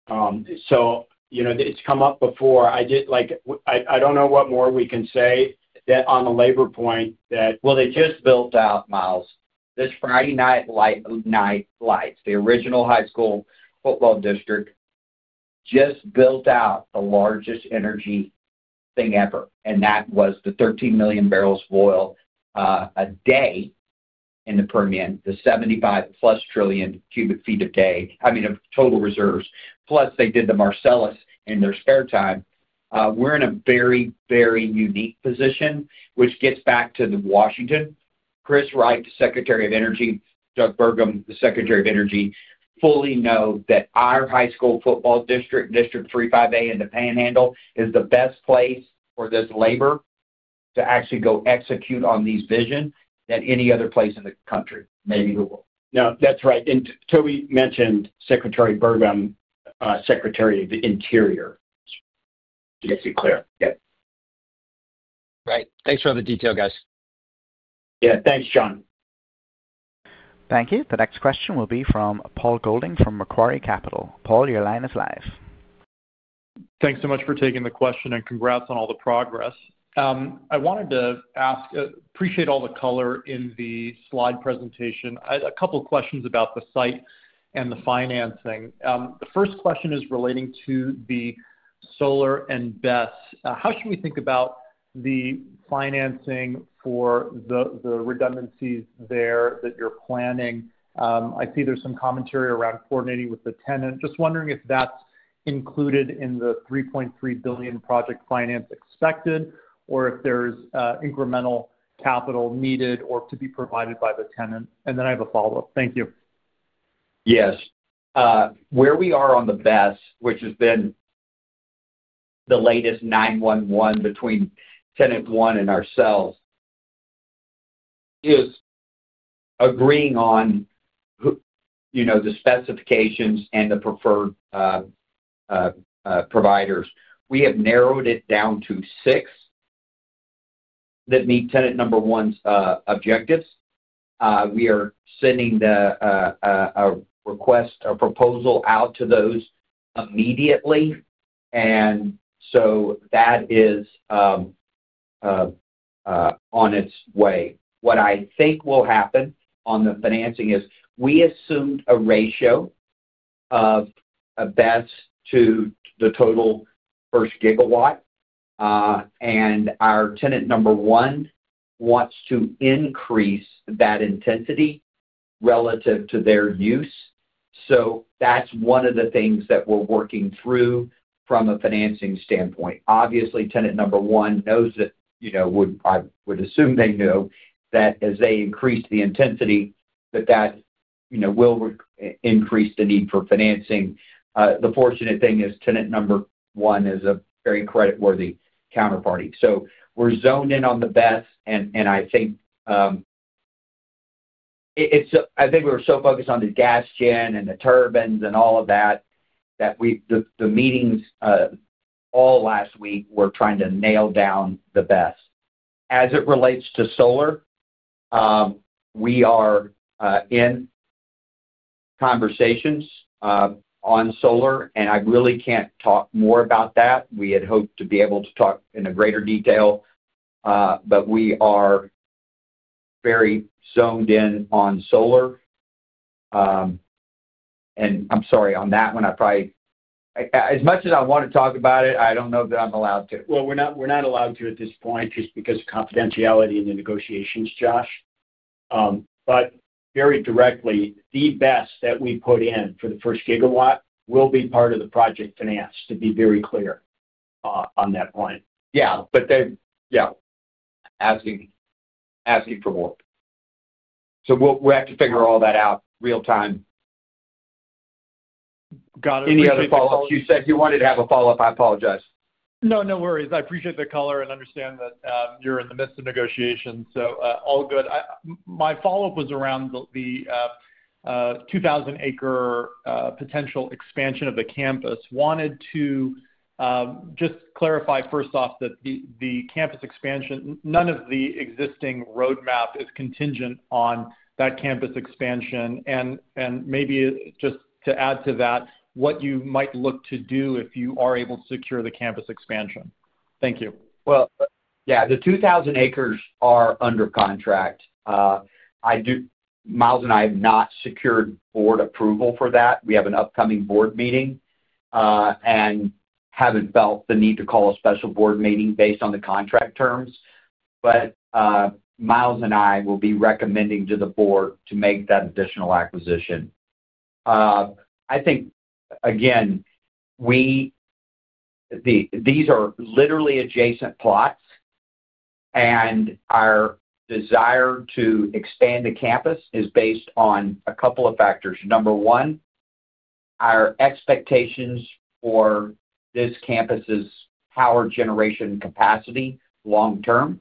Speaker 3: It has come up before. I don't know what more we can say on the labor point. They just built out, Miles, this Friday night, the original high school football district just built out the largest energy thing ever. That was the 13 million barrels of oil a day in the Permian, the 75-plus trillion cubic feet a day, I mean, of total reserves. Plus, they did the Marcellus in their spare time. We're in a very, very unique position, which gets back to the Washington. Chris Wright, the Secretary of Energy, Doug Burgum, the Secretary of Energy, fully know that our high school football district, District 35A in the Panhandle, is the best place for this labor to actually go execute on this vision than any other place in the country, maybe the world.
Speaker 2: No, that's right. Toby mentioned Secretary Burgum, Secretary of the Interior. Did I say clear? Yep. Right. Thanks for all the detail, guys.
Speaker 3: Yeah. Thanks, John.
Speaker 1: Thank you. The next question will be from Paul Golding from Macquarie Capital. Paul, your line is live.
Speaker 6: Thanks so much for taking the question and congrats on all the progress. I wanted to ask, appreciate all the color in the slide presentation. A couple of questions about the site and the financing. The first question is relating to the solar and BESS. How should we think about the financing for the redundancies there that you're planning? I see there's some commentary around coordinating with the tenant. Just wondering if that's included in the $3.3 billion project finance expected, or if there's incremental capital needed or to be provided by the tenant. And then I have a follow-up. Thank you.
Speaker 3: Yes. Where we are on the BESS, which has been the latest 911 between tenant one and ourselves, is agreeing on the specifications and the preferred providers. We have narrowed it down to six that meet tenant number one's objectives. We are sending a request for proposal out to those immediately. That is on its way. What I think will happen on the financing is we assumed a ratio of a BESS to the total first gigawatt. Our tenant number one wants to increase that intensity relative to their use. That is one of the things that we are working through from a financing standpoint. Obviously, tenant number one knows that. I would assume they knew that as they increase the intensity, that that will increase the need for financing. The fortunate thing is tenant number one is a very creditworthy counterparty. We are zoned in on the BESS. I think we were so focused on the gas gen and the turbines and all of that that the meetings all last week were trying to nail down the BESS. As it relates to solar, we are in conversations on solar. I really cannot talk more about that. We had hoped to be able to talk in greater detail. We are very zoned in on solar. I am sorry, on that one, I probably as much as I want to talk about it, I do not know that I am allowed to.
Speaker 2: We are not allowed to at this point just because of confidentiality and the negotiations, Josh. Very directly, the BESS that we put in for the first gigawatt will be part of the project finance, to be very clear on that point. Yeah. But yeah, asking for more. We'll have to figure all that out real time.
Speaker 6: Got it. Any other follow-ups? You said you wanted to have a follow-up. I apologize. No, no worries. I appreciate the color and understand that you're in the midst of negotiations. All good. My follow-up was around the 2,000-acre potential expansion of the campus. Wanted to just clarify first off that the campus expansion, none of the existing roadmap is contingent on that campus expansion. Maybe just to add to that, what you might look to do if you are able to secure the campus expansion. Thank you.
Speaker 3: Yeah, the 2,000 acres are under contract. Miles and I have not secured board approval for that. We have an upcoming board meeting and haven't felt the need to call a special board meeting based on the contract terms. Miles and I will be recommending to the board to make that additional acquisition. I think, again, these are literally adjacent plots. Our desire to expand the campus is based on a couple of factors. Number one, our expectations for this campus's power generation capacity long-term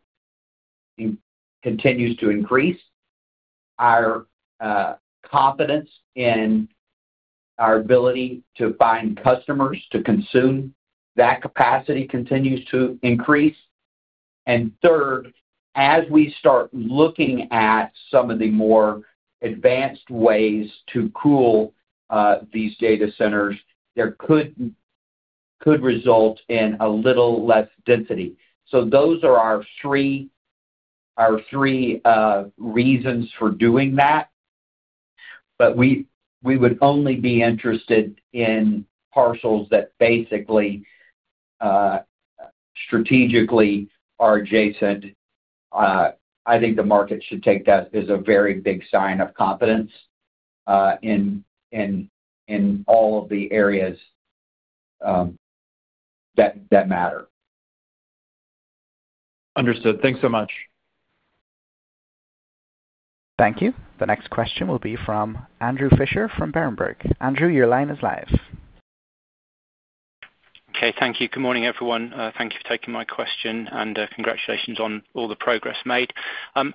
Speaker 3: continues to increase. Our confidence in our ability to find customers to consume that capacity continues to increase. Third, as we start looking at some of the more advanced ways to cool these data centers, there could result in a little less density. Those are our three reasons for doing that. We would only be interested in parcels that basically strategically are adjacent. I think the market should take that as a very big sign of confidence in all of the areas that matter.
Speaker 6: Understood. Thanks so much.
Speaker 1: Thank you. The next question will be from Andrew Fisher from Berenberg. Andrew, your line is live.
Speaker 7: Okay. Thank you. Good morning, everyone. Thank you for taking my question. Congratulations on all the progress made. Some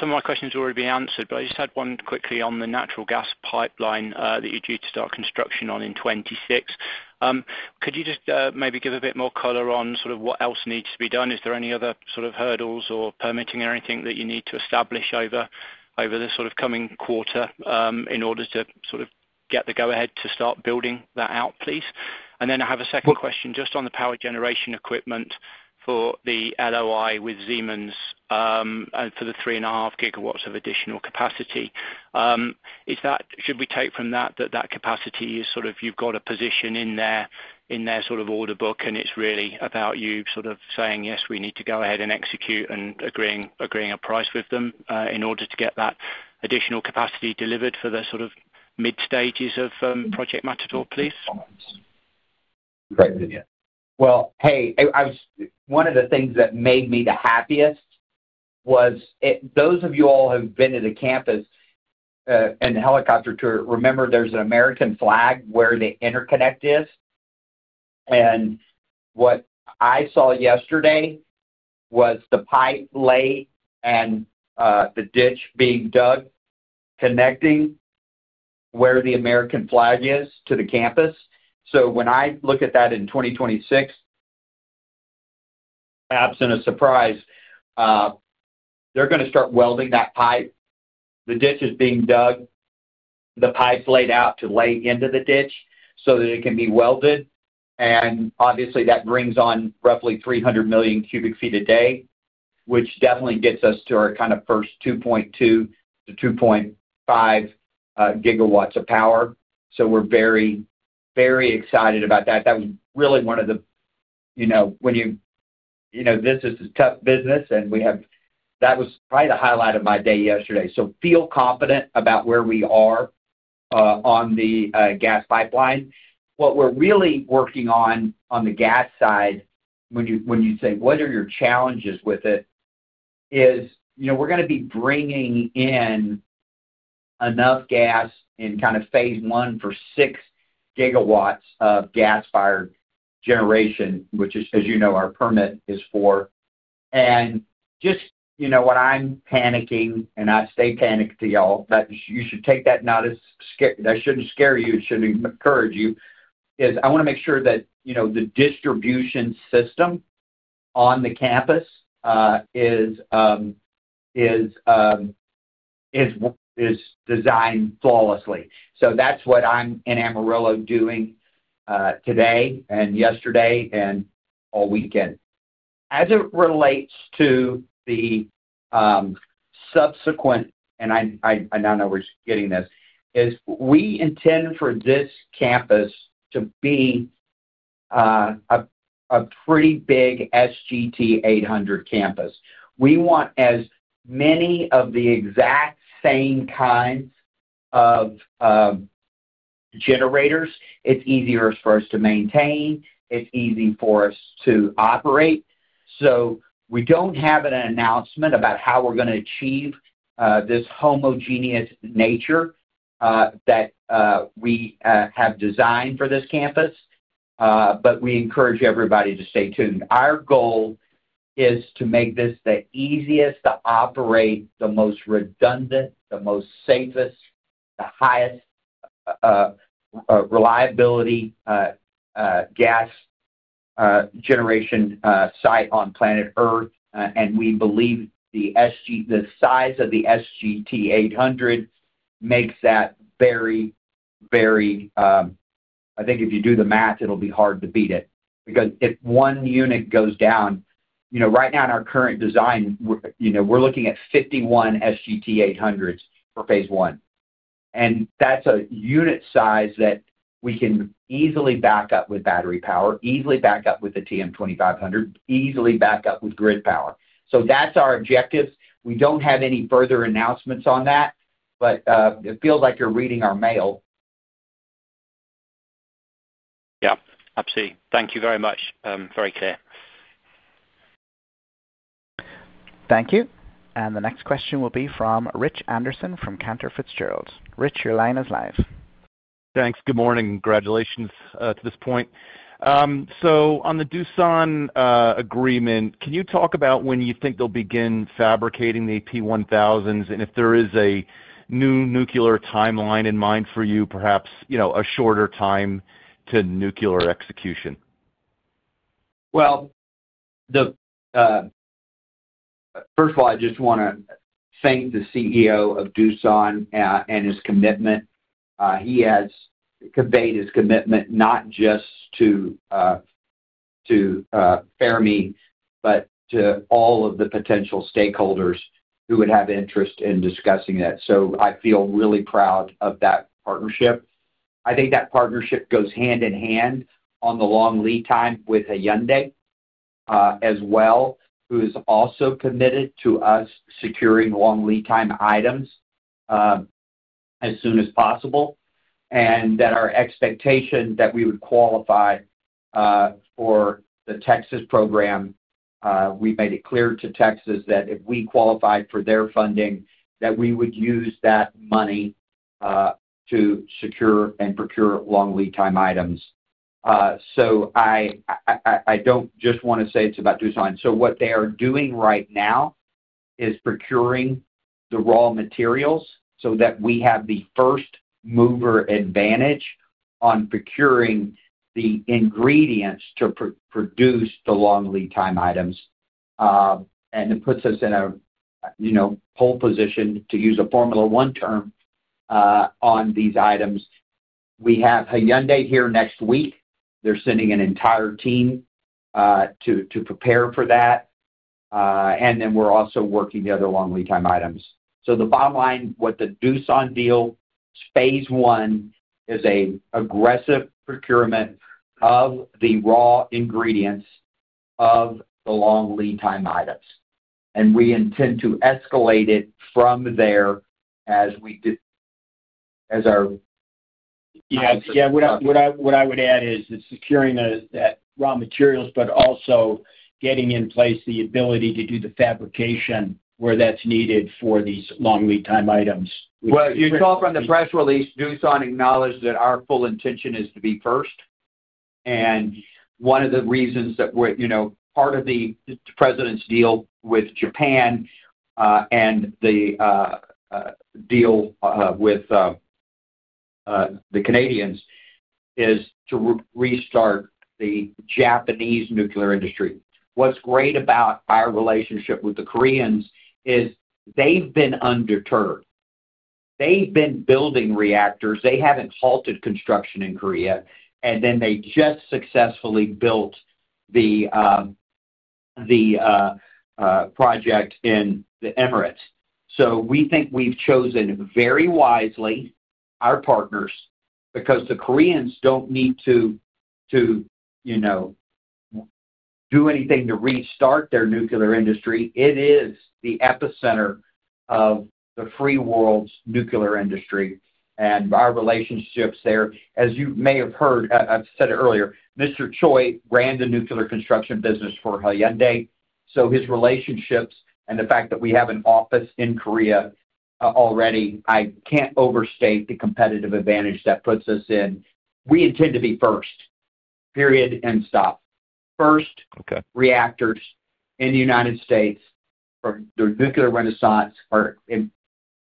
Speaker 7: of my questions have already been answered, but I just had one quickly on the natural gas pipeline that you are due to start construction on in 2026. Could you just maybe give a bit more color on sort of what else needs to be done? Is there any other sort of hurdles or permitting or anything that you need to establish over the coming quarter in order to get the go-ahead to start building that out, please? I have a second question just on the power generation equipment for the LOI with Siemens and for the 3.5 GW of additional capacity. Should we take from that that capacity is sort of you've got a position in their sort of order book, and it's really about you sort of saying, "Yes, we need to go ahead and execute," and agreeing a price with them in order to get that additional capacity delivered for the sort of mid-stages of Project Matador, please?
Speaker 3: Great. Hey, one of the things that made me the happiest was those of you all who have been to the campus and helicopter tour, remember there's an American flag where the interconnect is. What I saw yesterday was the pipe lay and the ditch being dug connecting where the American flag is to the campus. When I look at that in 2026, absent of surprise, they're going to start welding that pipe. The ditch is being dug. The pipe's laid out to lay into the ditch so that it can be welded. That brings on roughly 300 million cubic feet a day, which definitely gets us to our kind of first 2.2-2.5 GW of power. We are very, very excited about that. That was really one of the, when you, this is a tough business, and we have, that was probably the highlight of my day yesterday. I feel confident about where we are on the gas pipeline. What we are really working on on the gas side, when you say, "What are your challenges with it?" is we are going to be bringing in enough gas in phase one for 6 GW of gas-fired generation, which is, as you know, what our permit is for. Just when I'm panicking, and I stay panicked to y'all, but you should take that not as I shouldn't scare you. It should encourage you. I want to make sure that the distribution system on the campus is designed flawlessly. That is what I'm in Amarillo doing today and yesterday and all weekend. As it relates to the subsequent—and I now know we're getting this—is we intend for this campus to be a pretty big SGT800 campus. We want as many of the exact same kinds of generators. It's easier for us to maintain. It's easy for us to operate. We do not have an announcement about how we're going to achieve this homogeneous nature that we have designed for this campus. We encourage everybody to stay tuned. Our goal is to make this the easiest to operate, the most redundant, the most safest, the highest reliability gas generation site on planet Earth. We believe the size of the SGT800 makes that very, very—I think if you do the math, it will be hard to beat it. Because if one unit goes down, right now in our current design, we are looking at 51 SGT800s for phase one. That is a unit size that we can easily back up with battery power, easily back up with the TM2500, easily back up with grid power. That is our objectives. We do not have any further announcements on that. It feels like you are reading our mail.
Speaker 7: Yep. Absolutely. Thank you very much. Very clear.
Speaker 1: Thank you. The next question will be from Rich Anderson from Cantor Fitzgerald. Rich, your line is live.
Speaker 8: Thanks. Good morning. Congratulations to this point. On the Doosan agreement, can you talk about when you think they'll begin fabricating the P1000s? And if there is a new nuclear timeline in mind for you, perhaps a shorter time to nuclear execution?
Speaker 2: First of all, I just want to thank the CEO of Doosan and his commitment. He has conveyed his commitment not just to Fermi but to all of the potential stakeholders who would have interest in discussing that. I feel really proud of that partnership. I think that partnership goes hand in hand on the long lead time with Hyundai as well, who is also committed to us securing long lead time items as soon as possible. Our expectation is that we would qualify for the Texas program. We made it clear to Texas that if we qualified for their funding, we would use that money to secure and procure long lead time items. I do not just want to say it is about Doosan. What they are doing right now is procuring the raw materials so that we have the first mover advantage on procuring the ingredients to produce the long lead time items. It puts us in a pole position, to use a Formula One term, on these items. We have Hyundai here next week. They are sending an entire team to prepare for that. We are also working the other long lead time items. The bottom line is that the Doosan deal phase one is an aggressive procurement of the raw ingredients of the long lead time items. We intend to escalate it from there as our—Yes. Yeah.
Speaker 3: What I would add is securing that raw materials, but also getting in place the ability to do the fabrication where that is needed for these long lead time items. You are talking about the press release. Doosan acknowledged that our full intention is to be first. One of the reasons that we are part of the president's deal with Japan and the deal with the Canadians is to restart the Japanese nuclear industry. What is great about our relationship with the Koreans is they have been undeterred. They have been building reactors. They have not halted construction in Korea. They just successfully built the project in the Emirates. We think we have chosen very wisely our partners because the Koreans do not need to do anything to restart their nuclear industry. It is the epicenter of the free world's nuclear industry and our relationships there. As you may have heard, I've said it earlier, Mr. Choi ran the nuclear construction business for Hyundai. So his relationships and the fact that we have an office in Korea already, I can't overstate the competitive advantage that puts us in. We intend to be first. Period. End stop. First reactors in the United States for the nuclear renaissance.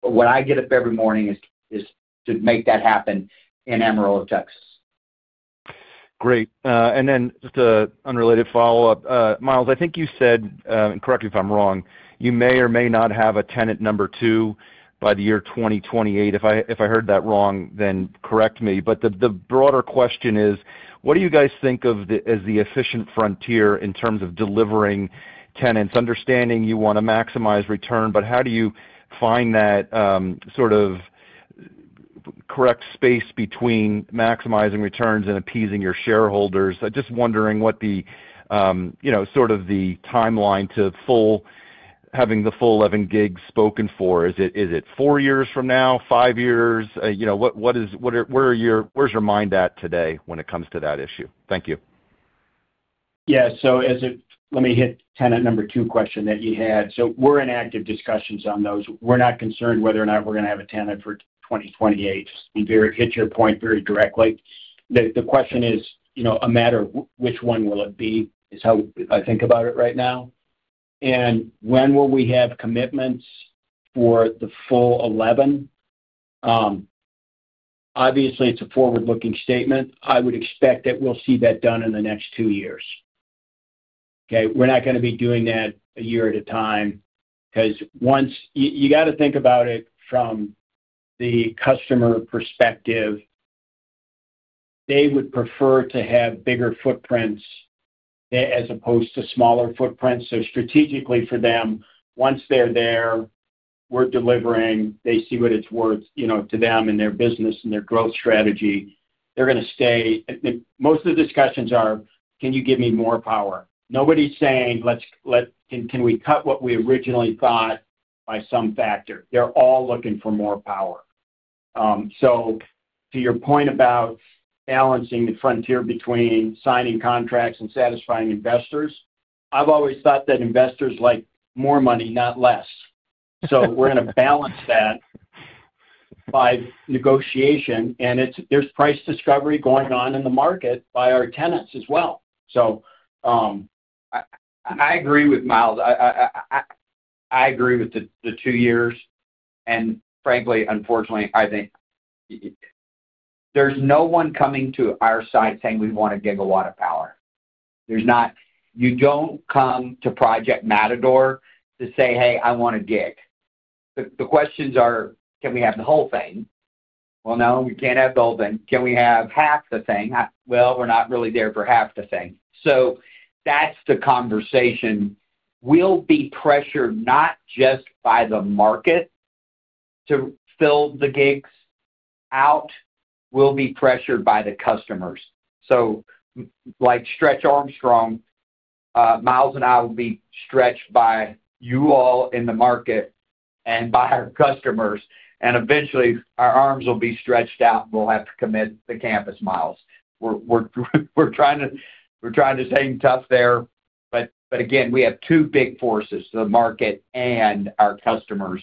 Speaker 3: What I get up every morning is to make that happen in Amarillo, Texas.
Speaker 8: Great. And then just an unrelated follow-up. Miles, I think you said, and correct me if I'm wrong, you may or may not have a tenant number two by the year 2028. If I heard that wrong, then correct me. The broader question is, what do you guys think of as the efficient frontier in terms of delivering tenants? Understanding you want to maximize return, but how do you find that sort of correct space between maximizing returns and appeasing your shareholders? I'm just wondering what the sort of the timeline to having the full 11 gigs spoken for is. Is it four years from now, five years? Where's your mind at today when it comes to that issue? Thank you.
Speaker 3: Yeah. Let me hit tenant number two question that you had. We're in active discussions on those. We're not concerned whether or not we're going to have a tenant for 2028. It is, to hit your point very directly, the question is a matter of which one will it be is how I think about it right now. When will we have commitments for the full 11? Obviously, it's a forward-looking statement. I would expect that we'll see that done in the next two years. Okay? We're not going to be doing that a year at a time because once you got to think about it from the customer perspective. They would prefer to have bigger footprints as opposed to smaller footprints. Strategically for them, once they're there, we're delivering. They see what it's worth to them and their business and their growth strategy. They're going to stay. Most of the discussions are, "Can you give me more power?" Nobody's saying, "Can we cut what we originally thought by some factor?" They're all looking for more power. To your point about balancing the frontier between signing contracts and satisfying investors, I've always thought that investors like more money, not less. We're going to balance that by negotiation. There's price discovery going on in the market by our tenants as well. I agree with Miles. I agree with the two years. Frankly, unfortunately, I think there's no one coming to our side saying, "We want a gigawatt of power." You don't come to Project Matador to say, "Hey, I want a gig." The questions are, "Can we have the whole thing?" No, we can't have the whole thing. Can we have half the thing? We're not really there for half the thing. That's the conversation. We'll be pressured not just by the market to fill the gigs out. We'll be pressured by the customers. Like Stretch Armstrong, Miles and I will be stretched by you all in the market and by our customers. Eventually, our arms will be stretched out, and we'll have to commit the campus, Miles. We're trying to stay tough there. Again, we have two big forces, the market and our customers,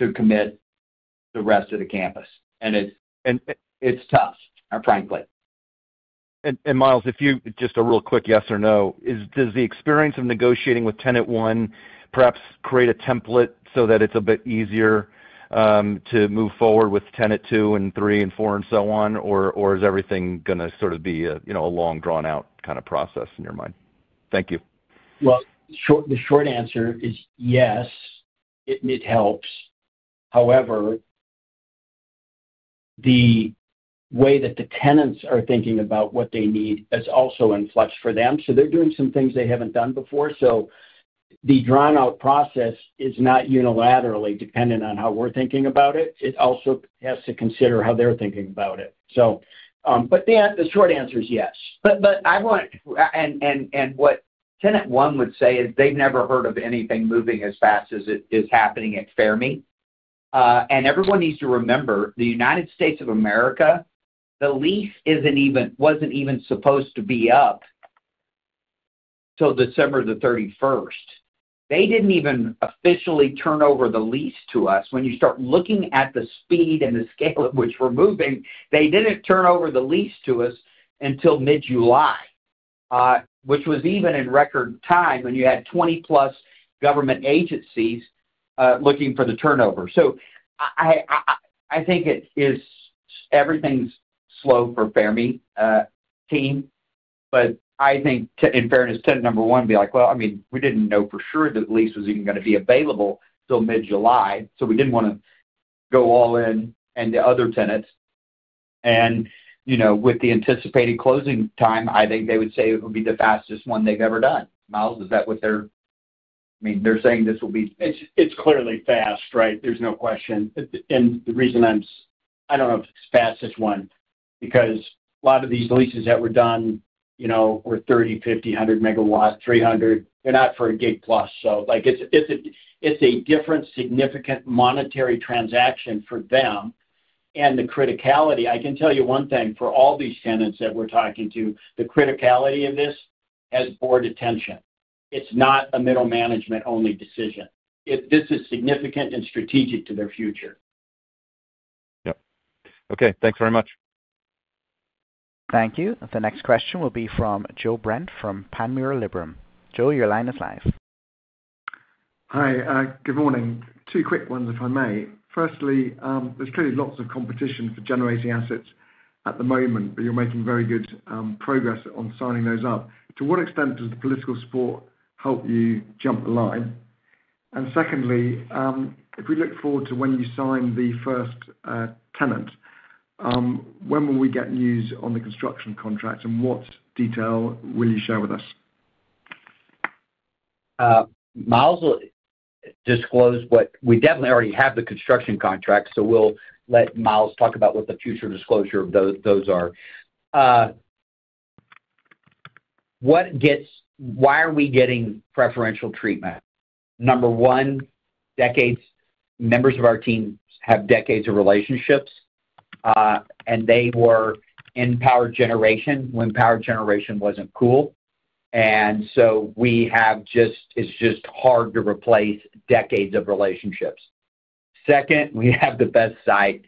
Speaker 3: to commit the rest of the campus. It is tough, frankly. Miles, if you just a real quick yes or no, does the experience of negotiating with tenant one perhaps create a template so that it is a bit easier to move forward with tenant two and three and four and so on? Is everything going to sort of be a long, drawn-out kind of process in your mind? Thank you.
Speaker 2: The short answer is yes. It helps. However, the way that the tenants are thinking about what they need is also in flux for them. They are doing some things they have not done before. The drawn-out process is not unilaterally dependent on how we are thinking about it. It also has to consider how they are thinking about it. The short answer is yes. I want—and what tenant one would say is they've never heard of anything moving as fast as it is happening at Fermi. Everyone needs to remember, the United States of America, the lease was not even supposed to be up till December 31st. They did not even officially turn over the lease to us. When you start looking at the speed and the scale at which we're moving, they did not turn over the lease to us until mid-July, which was even in record time when you had 20 government agencies looking for the turnover. I think everything's slow for Fermi team. I think, in fairness, tenant number one would be like, "Well, I mean, we did not know for sure that lease was even going to be available till mid-July. We did not want to go all in and the other tenants. With the anticipated closing time, I think they would say it would be the fastest one they have ever done. Miles, is that what they are—I mean, they are saying this will be— it is clearly fast, right? There is no question. The reason I am—I do not know if it is the fastest one because a lot of these leases that were done were 30, 50, 100 MW, 300. They are not for a gig plus. It is a different, significant monetary transaction for them. The criticality—I can tell you one thing for all these tenants that we are talking to, the criticality of this has brought attention. It is not a middle management-only decision. This is significant and strategic to their future.
Speaker 1: Yep. Okay. Thanks very much. Thank you. The next question will be from Joe Brent from Panmure Liberum. Joe, your line is live.
Speaker 9: Hi. Good morning. Two quick ones, if I may. Firstly, there is clearly lots of competition for generating assets at the moment, but you are making very good progress on signing those up. To what extent does the political support help you jump the line? Secondly, if we look forward to when you sign the first tenant, when will we get news on the construction contracts? What detail will you share with us?
Speaker 3: Miles will disclose that we definitely already have the construction contracts, so we will let Miles talk about what the future disclosure of those are. Why are we getting preferential treatment? Number one, members of our team have decades of relationships, and they were in power generation when power generation was not cool. It is just hard to replace decades of relationships. Second, we have the best site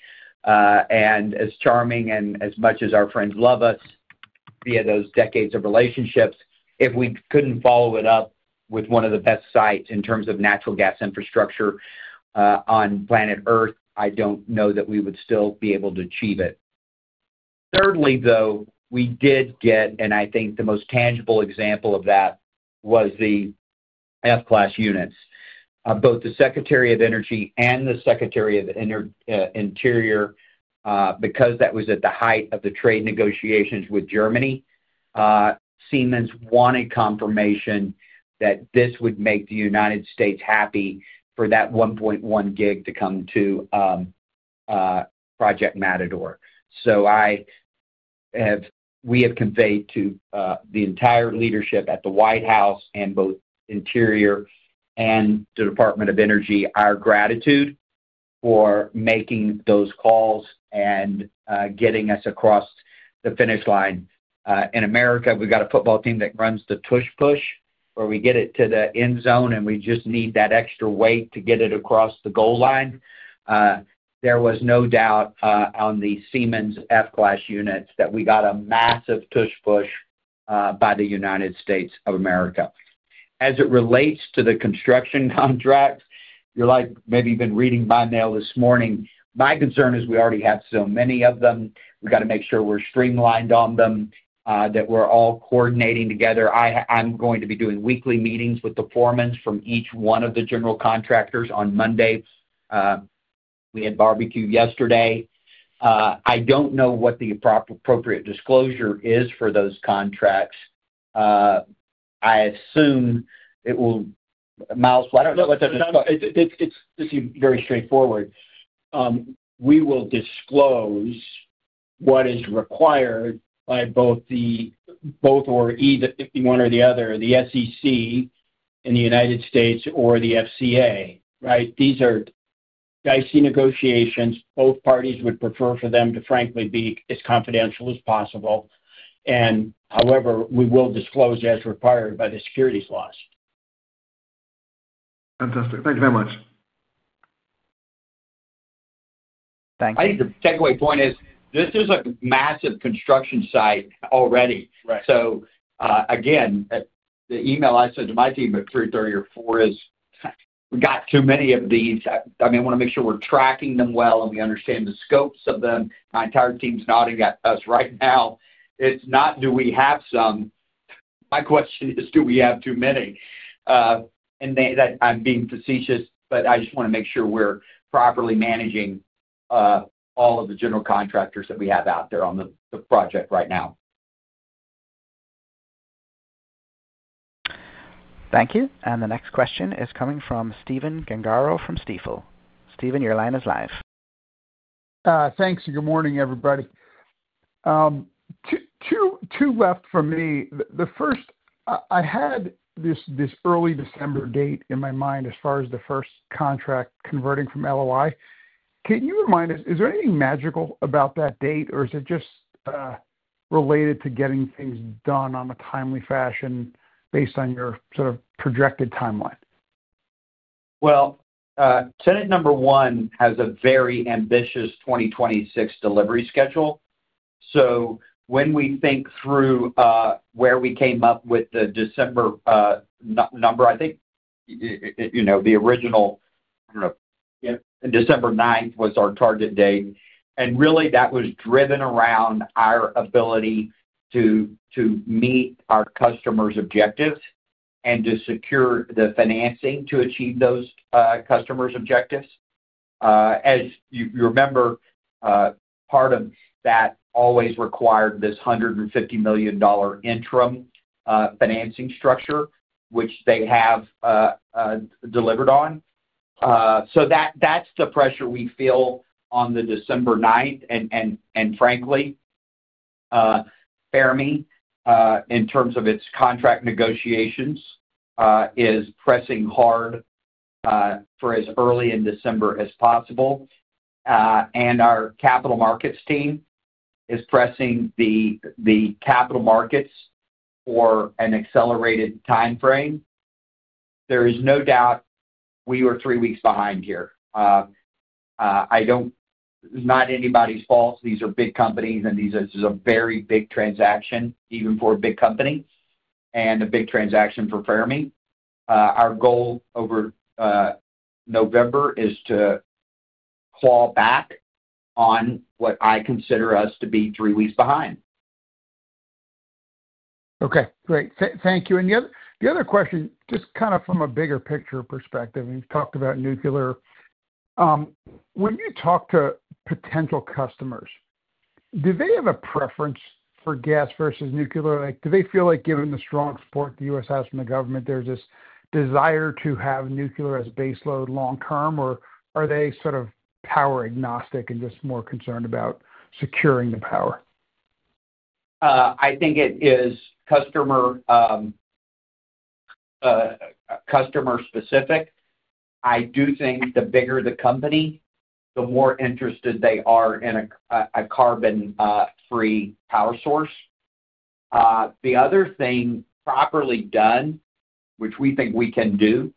Speaker 3: and as charming and as much as our friends love us via those decades of relationships. If we could not follow it up with one of the best sites in terms of natural gas infrastructure on planet Earth, I do not know that we would still be able to achieve it. Thirdly, though, we did get, and I think the most tangible example of that was the F-class units. Both the Secretary of Energy and the Secretary of Interior, because that was at the height of the trade negotiations with Germany, Siemens wanted confirmation that this would make the United States happy for that 1.1 gig to come to Project Matador. We have conveyed to the entire leadership at the White House and both Interior and the Department of Energy our gratitude for making those calls and getting us across the finish line. In America, we've got a football team that runs the push-push where we get it to the end zone, and we just need that extra weight to get it across the goal line. There was no doubt on the Siemens F-class units that we got a massive push-push by the United States of America. As it relates to the construction contracts, you're like, "Maybe you've been reading my mail this morning." My concern is we already have so many of them. We've got to make sure we're streamlined on them, that we're all coordinating together. I'm going to be doing weekly meetings with the foremans from each one of the general contractors on Monday. We had barbecue yesterday. I don't know what the appropriate disclosure is for those contracts. I assume it will—Miles, I don't know what the—No, no, no. This is very straightforward. We will disclose what is required by both or either one or the other, the SEC in the United States or the FCA, right? These are dicey negotiations. Both parties would prefer for them to, frankly, be as confidential as possible. However, we will disclose as required by the securities laws.
Speaker 9: Fantastic. Thank you very much. Thank you.
Speaker 3: I think the takeaway point is this is a massive construction site already. Again, the email I sent to my team at 3:30 or 4:00 is, "We got too many of these." I mean, I want to make sure we are tracking them well and we understand the scopes of them. My entire team's nodding at us right now. It's not, "Do we have some?" My question is, "Do we have too many?" I'm being facetious, but I just want to make sure we're properly managing all of the general contractors that we have out there on the project right now.
Speaker 1: Thank you. The next question is coming from Steven Gengaro from Stifel. Steven, your line is live.
Speaker 10: Thanks. Good morning, everybody. Two left for me. The first, I had this early December date in my mind as far as the first contract converting from LOI. Can you remind us, is there anything magical about that date, or is it just related to getting things done on a timely fashion based on your sort of projected timeline?
Speaker 2: Tenant number one has a very ambitious 2026 delivery schedule. When we think through where we came up with the December number, I think the original, I do not know, December 9th was our target date. That was driven around our ability to meet our customer's objectives and to secure the financing to achieve those customer's objectives. As you remember, part of that always required this $150 million interim financing structure, which they have delivered on. That is the pressure we feel on the December 9th. Frankly, Fermi, in terms of its contract negotiations, is pressing hard for as early in December as possible. Our capital markets team is pressing the capital markets for an accelerated timeframe. There is no doubt we were three weeks behind here. It is not anybody's fault. These are big companies, and this is a very big transaction, even for a big company and a big transaction for Fermi. Our goal over November is to claw back on what I consider us to be three weeks behind.
Speaker 10: Okay. Great. Thank you. The other question, just kind of from a bigger picture perspective, and we've talked about nuclear. When you talk to potential customers, do they have a preference for gas versus nuclear? Do they feel like, given the strong support the U.S. has from the government, there's this desire to have nuclear as a baseload long-term, or are they sort of power agnostic and just more concerned about securing the power?
Speaker 2: I think it is customer-specific. I do think the bigger the company, the more interested they are in a carbon-free power source. The other thing, properly done, which we think we can do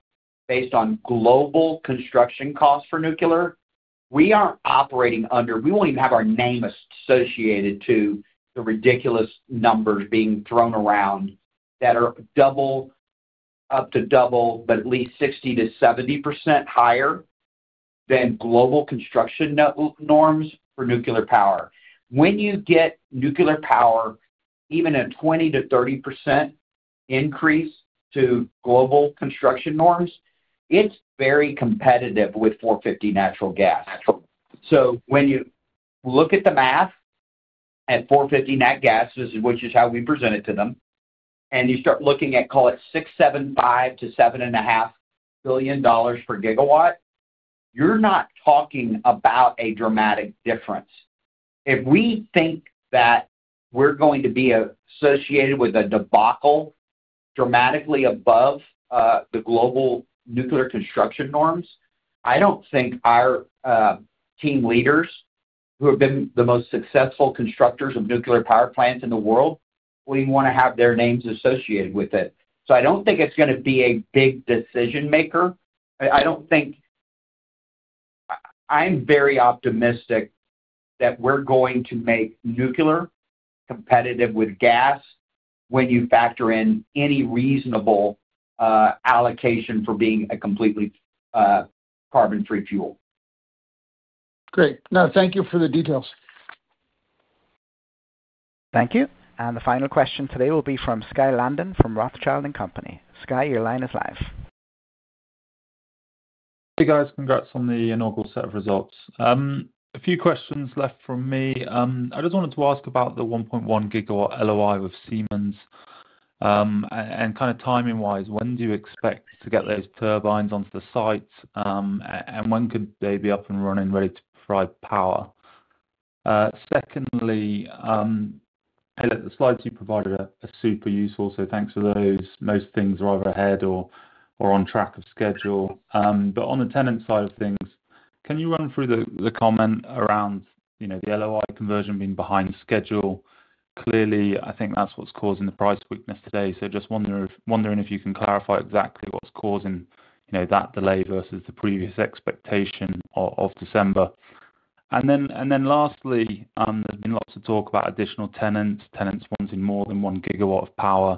Speaker 2: based on global construction costs for nuclear, we are not operating under—we will not even have our name associated to the ridiculous numbers being thrown around that are up to double, but at least 60-70% higher than global construction norms for nuclear power. When you get nuclear power, even a 20-30% increase to global construction norms, it is very competitive with $450 natural gas. When you look at the math at $450 net gases, which is how we present it to them, and you start looking at, call it, $6.75 billion-$7.5 billion per gigawatt, you are not talking about a dramatic difference. If we think that we're going to be associated with a debacle dramatically above the global nuclear construction norms, I don't think our team leaders, who have been the most successful constructors of nuclear power plants in the world, would even want to have their names associated with it. I don't think it's going to be a big decision-maker. I'm very optimistic that we're going to make nuclear competitive with gas when you factor in any reasonable allocation for being a completely carbon-free fuel.
Speaker 10: Great. No, thank you for the details.
Speaker 1: Thank you. The final question today will be from Skye Landon from Rothschild & Company. Skye, your line is live.
Speaker 11: Hey, guys. Congrats on the inaugural set of results. A few questions left for me. I just wanted to ask about the 1.1 GW LOI with Siemens and kind of timing-wise, when do you expect to get those turbines onto the site, and when could they be up and running, ready to provide power? Secondly, the slides you provided are super useful, so thanks for those. Most things are overhead or on track of schedule. On the tenant side of things, can you run through the comment around the LOI conversion being behind schedule? Clearly, I think that's what's causing the price weakness today. I am just wondering if you can clarify exactly what's causing that delay versus the previous expectation of December. Lastly, there's been lots of talk about additional tenants, tenants wanting more than one gigawatt of power.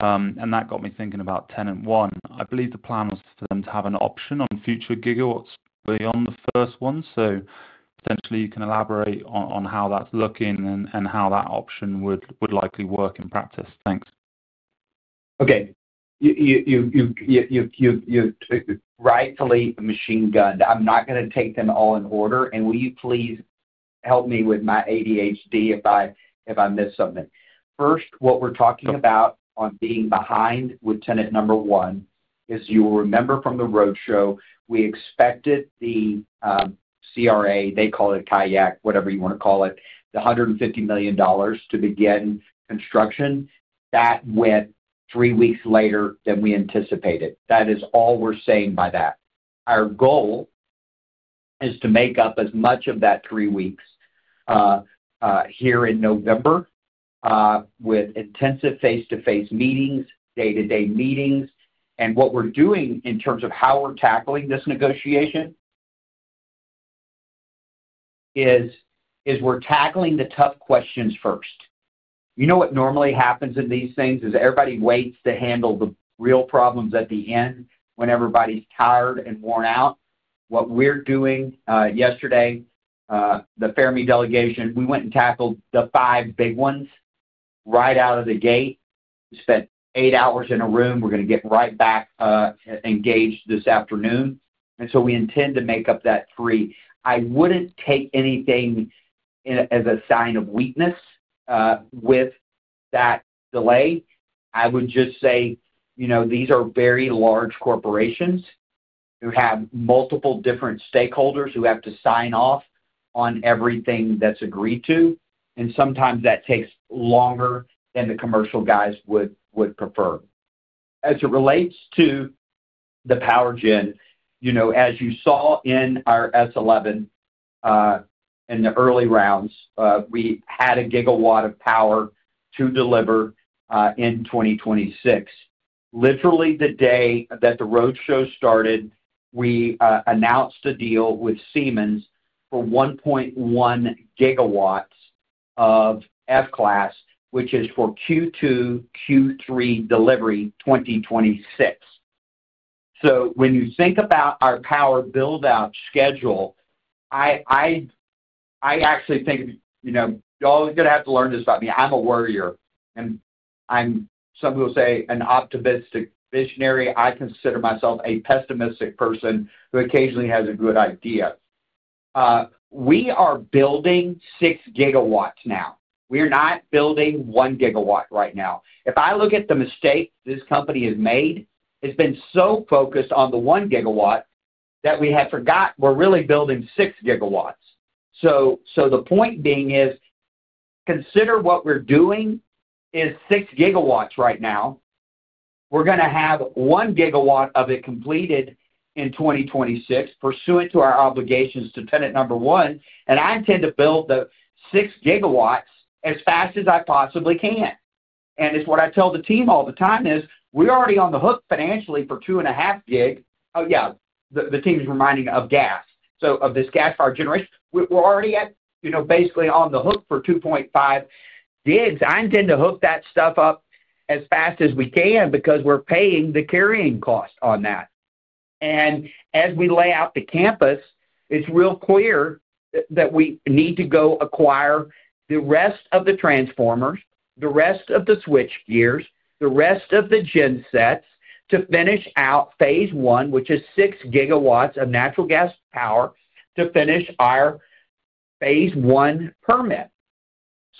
Speaker 11: That got me thinking about tenant one. I believe the plan was for them to have an option on future gigawatts beyond the first one. So potentially, you can elaborate on how that's looking and how that option would likely work in practice. Thanks.
Speaker 2: Okay. You're rightfully machine-gunned. I'm not going to take them all in order. And will you please help me with my ADHD if I miss something? First, what we're talking about on being behind with tenant number one is you will remember from the roadshow, we expected the CRA, they call it kayak, whatever you want to call it, the $150 million to begin construction. That went three weeks later than we anticipated. That is all we're saying by that. Our goal is to make up as much of that three weeks here in November with intensive face-to-face meetings, day-to-day meetings. What we are doing in terms of how we are tackling this negotiation is we are tackling the tough questions first. You know what normally happens in these things is everybody waits to handle the real problems at the end when everybody is tired and worn out. What we are doing yesterday, the Fermi delegation, we went and tackled the five big ones right out of the gate. We spent eight hours in a room. We are going to get right back engaged this afternoon. We intend to make up that three. I would not take anything as a sign of weakness with that delay. I would just say these are very large corporations who have multiple different stakeholders who have to sign off on everything that is agreed to. Sometimes that takes longer than the commercial guys would prefer. As it relates to the power gen, as you saw in our S-1 in the early rounds, we had 1 gigawatt of power to deliver in 2026. Literally, the day that the roadshow started, we announced a deal with Siemens for 1.1 gigawatts of F-class, which is for Q2, Q3 delivery 2026. When you think about our power buildout schedule, I actually think y'all are going to have to learn this about me. I'm a worrier. Some people say an optimistic visionary. I consider myself a pessimistic person who occasionally has a good idea. We are building 6 GW now. We are not building 1 GW right now. If I look at the mistake this company has made, it has been so focused on the 1 gigawatt that we have forgotten we are really building 6 GW. The point being is consider what we're doing is 6 GW right now. We're going to have 1 GW of it completed in 2026. Pursuant to our obligations to tenant number one, and I intend to build the 6 gigawatts as fast as I possibly can. What I tell the team all the time is we're already on the hook financially for 2.5 gig. Oh, yeah, the team's reminding of gas. Of this gas power generation, we're already basically on the hook for 2.5 gigs. I intend to hook that stuff up as fast as we can because we're paying the carrying cost on that. As we lay out the campus, it's real clear that we need to go acquire the rest of the transformers, the rest of the switch gears, the rest of the gen sets to finish out phase one, which is 6 GW of natural gas power to finish our phase one permit.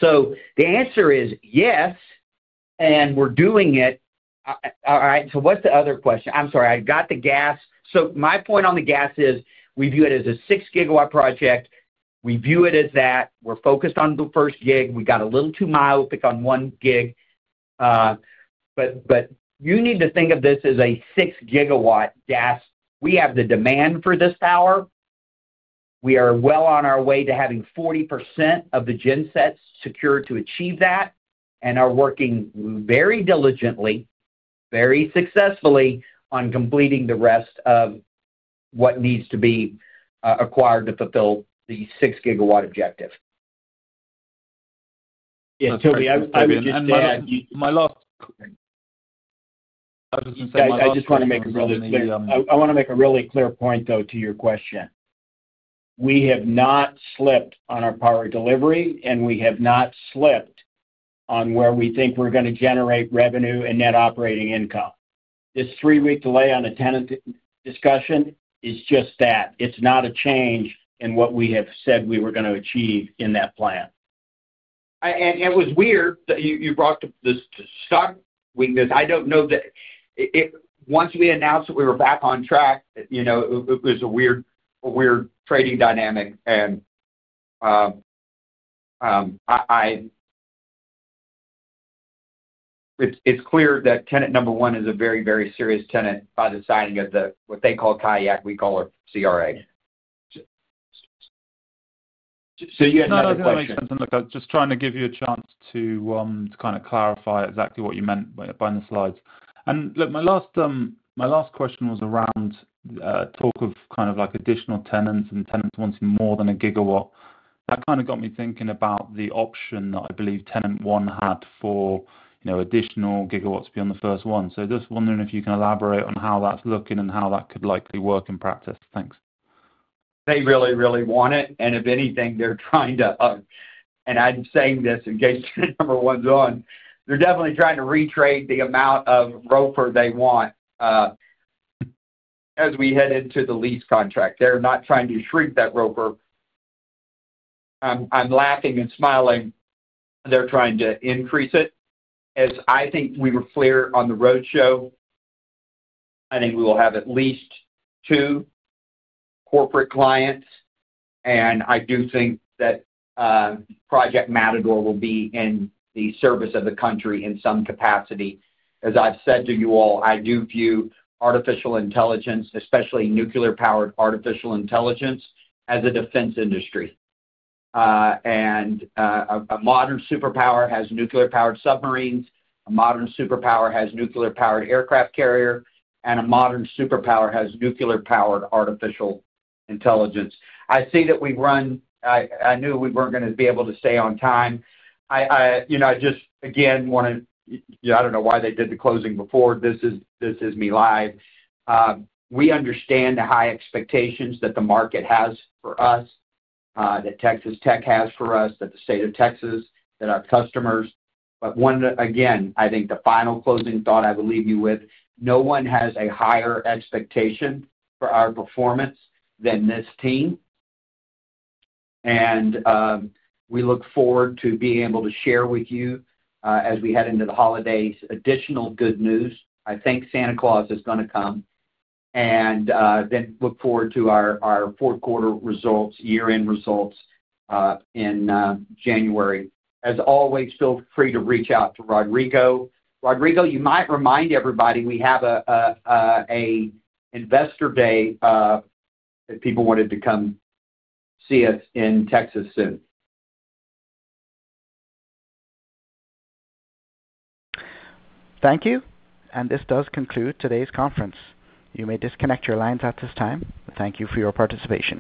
Speaker 2: The answer is yes, and we're doing it. All right. What's the other question? I'm sorry. I got the gas. My point on the gas is we view it as a 6-gigawatt project. We view it as that. We're focused on the first gig. We got a little too myopic on one gig. You need to think of this as a 6-GW gas. We have the demand for this power. We are well on our way to having 40% of the gen sets secured to achieve that and are working very diligently, very successfully on completing the rest of what needs to be acquired to fulfill the 6-GW objective.
Speaker 3: Yeah. Toby, I was just saying my last—I was just going to make a really clear—I want to make a really clear point, though, to your question. We have not slipped on our power delivery, and we have not slipped on where we think we're going to generate revenue and net operating income. This three-week delay on the tenant discussion is just that. It's not a change in what we have said we were going to achieve in that plan.
Speaker 2: It was weird that you brought up this stock weakness. I do not know that once we announced that we were back on track, it was a weird trading dynamic. It is clear that tenant number one is a very, very serious tenant by the signing of what they call kayak. We call her CRA. You had another question.
Speaker 11: No, that makes sense. I am just trying to give you a chance to kind of clarify exactly what you meant by the slides. My last question was around talk of kind of additional tenants and tenants wanting more than a gigawatt. That got me thinking about the option that I believe tenant one had for additional gigawatts beyond the first one. I am just wondering if you can elaborate on how that is looking and how that could likely work in practice. Thanks.
Speaker 2: They really, really want it. If anything, they're trying to—I am saying this in case tenant number one's on—they're definitely trying to retrade the amount of Roper they want as we head into the lease contract. They're not trying to shrink that Roper. I'm laughing and smiling. They're trying to increase it. As I think we were clear on the roadshow, I think we will have at least two corporate clients. I do think that Project Matador will be in the service of the country in some capacity. As I have said to you all, I do view artificial intelligence, especially nuclear-powered artificial intelligence, as a defense industry. A modern superpower has nuclear-powered submarines. A modern superpower has a nuclear-powered aircraft carrier. A modern superpower has nuclear-powered artificial intelligence. I see that we've run—I knew we were not going to be able to stay on time. I just, again, want to—I do not know why they did the closing before. This is me live. We understand the high expectations that the market has for us, that Texas Tech has for us, that the state of Texas, that our customers. Once again, I think the final closing thought I will leave you with: no one has a higher expectation for our performance than this team. We look forward to being able to share with you, as we head into the holidays, additional good news. I think Santa Claus is going to come. We look forward to our fourth-quarter results, year-end results in January. As always, feel free to reach out to Rodrigo. Rodrigo, you might remind everybody we have an investor day if people wanted to come see us in Texas soon.
Speaker 1: Thank you. This does conclude today's conference. You may disconnect your lines at this time. Thank you for your participation.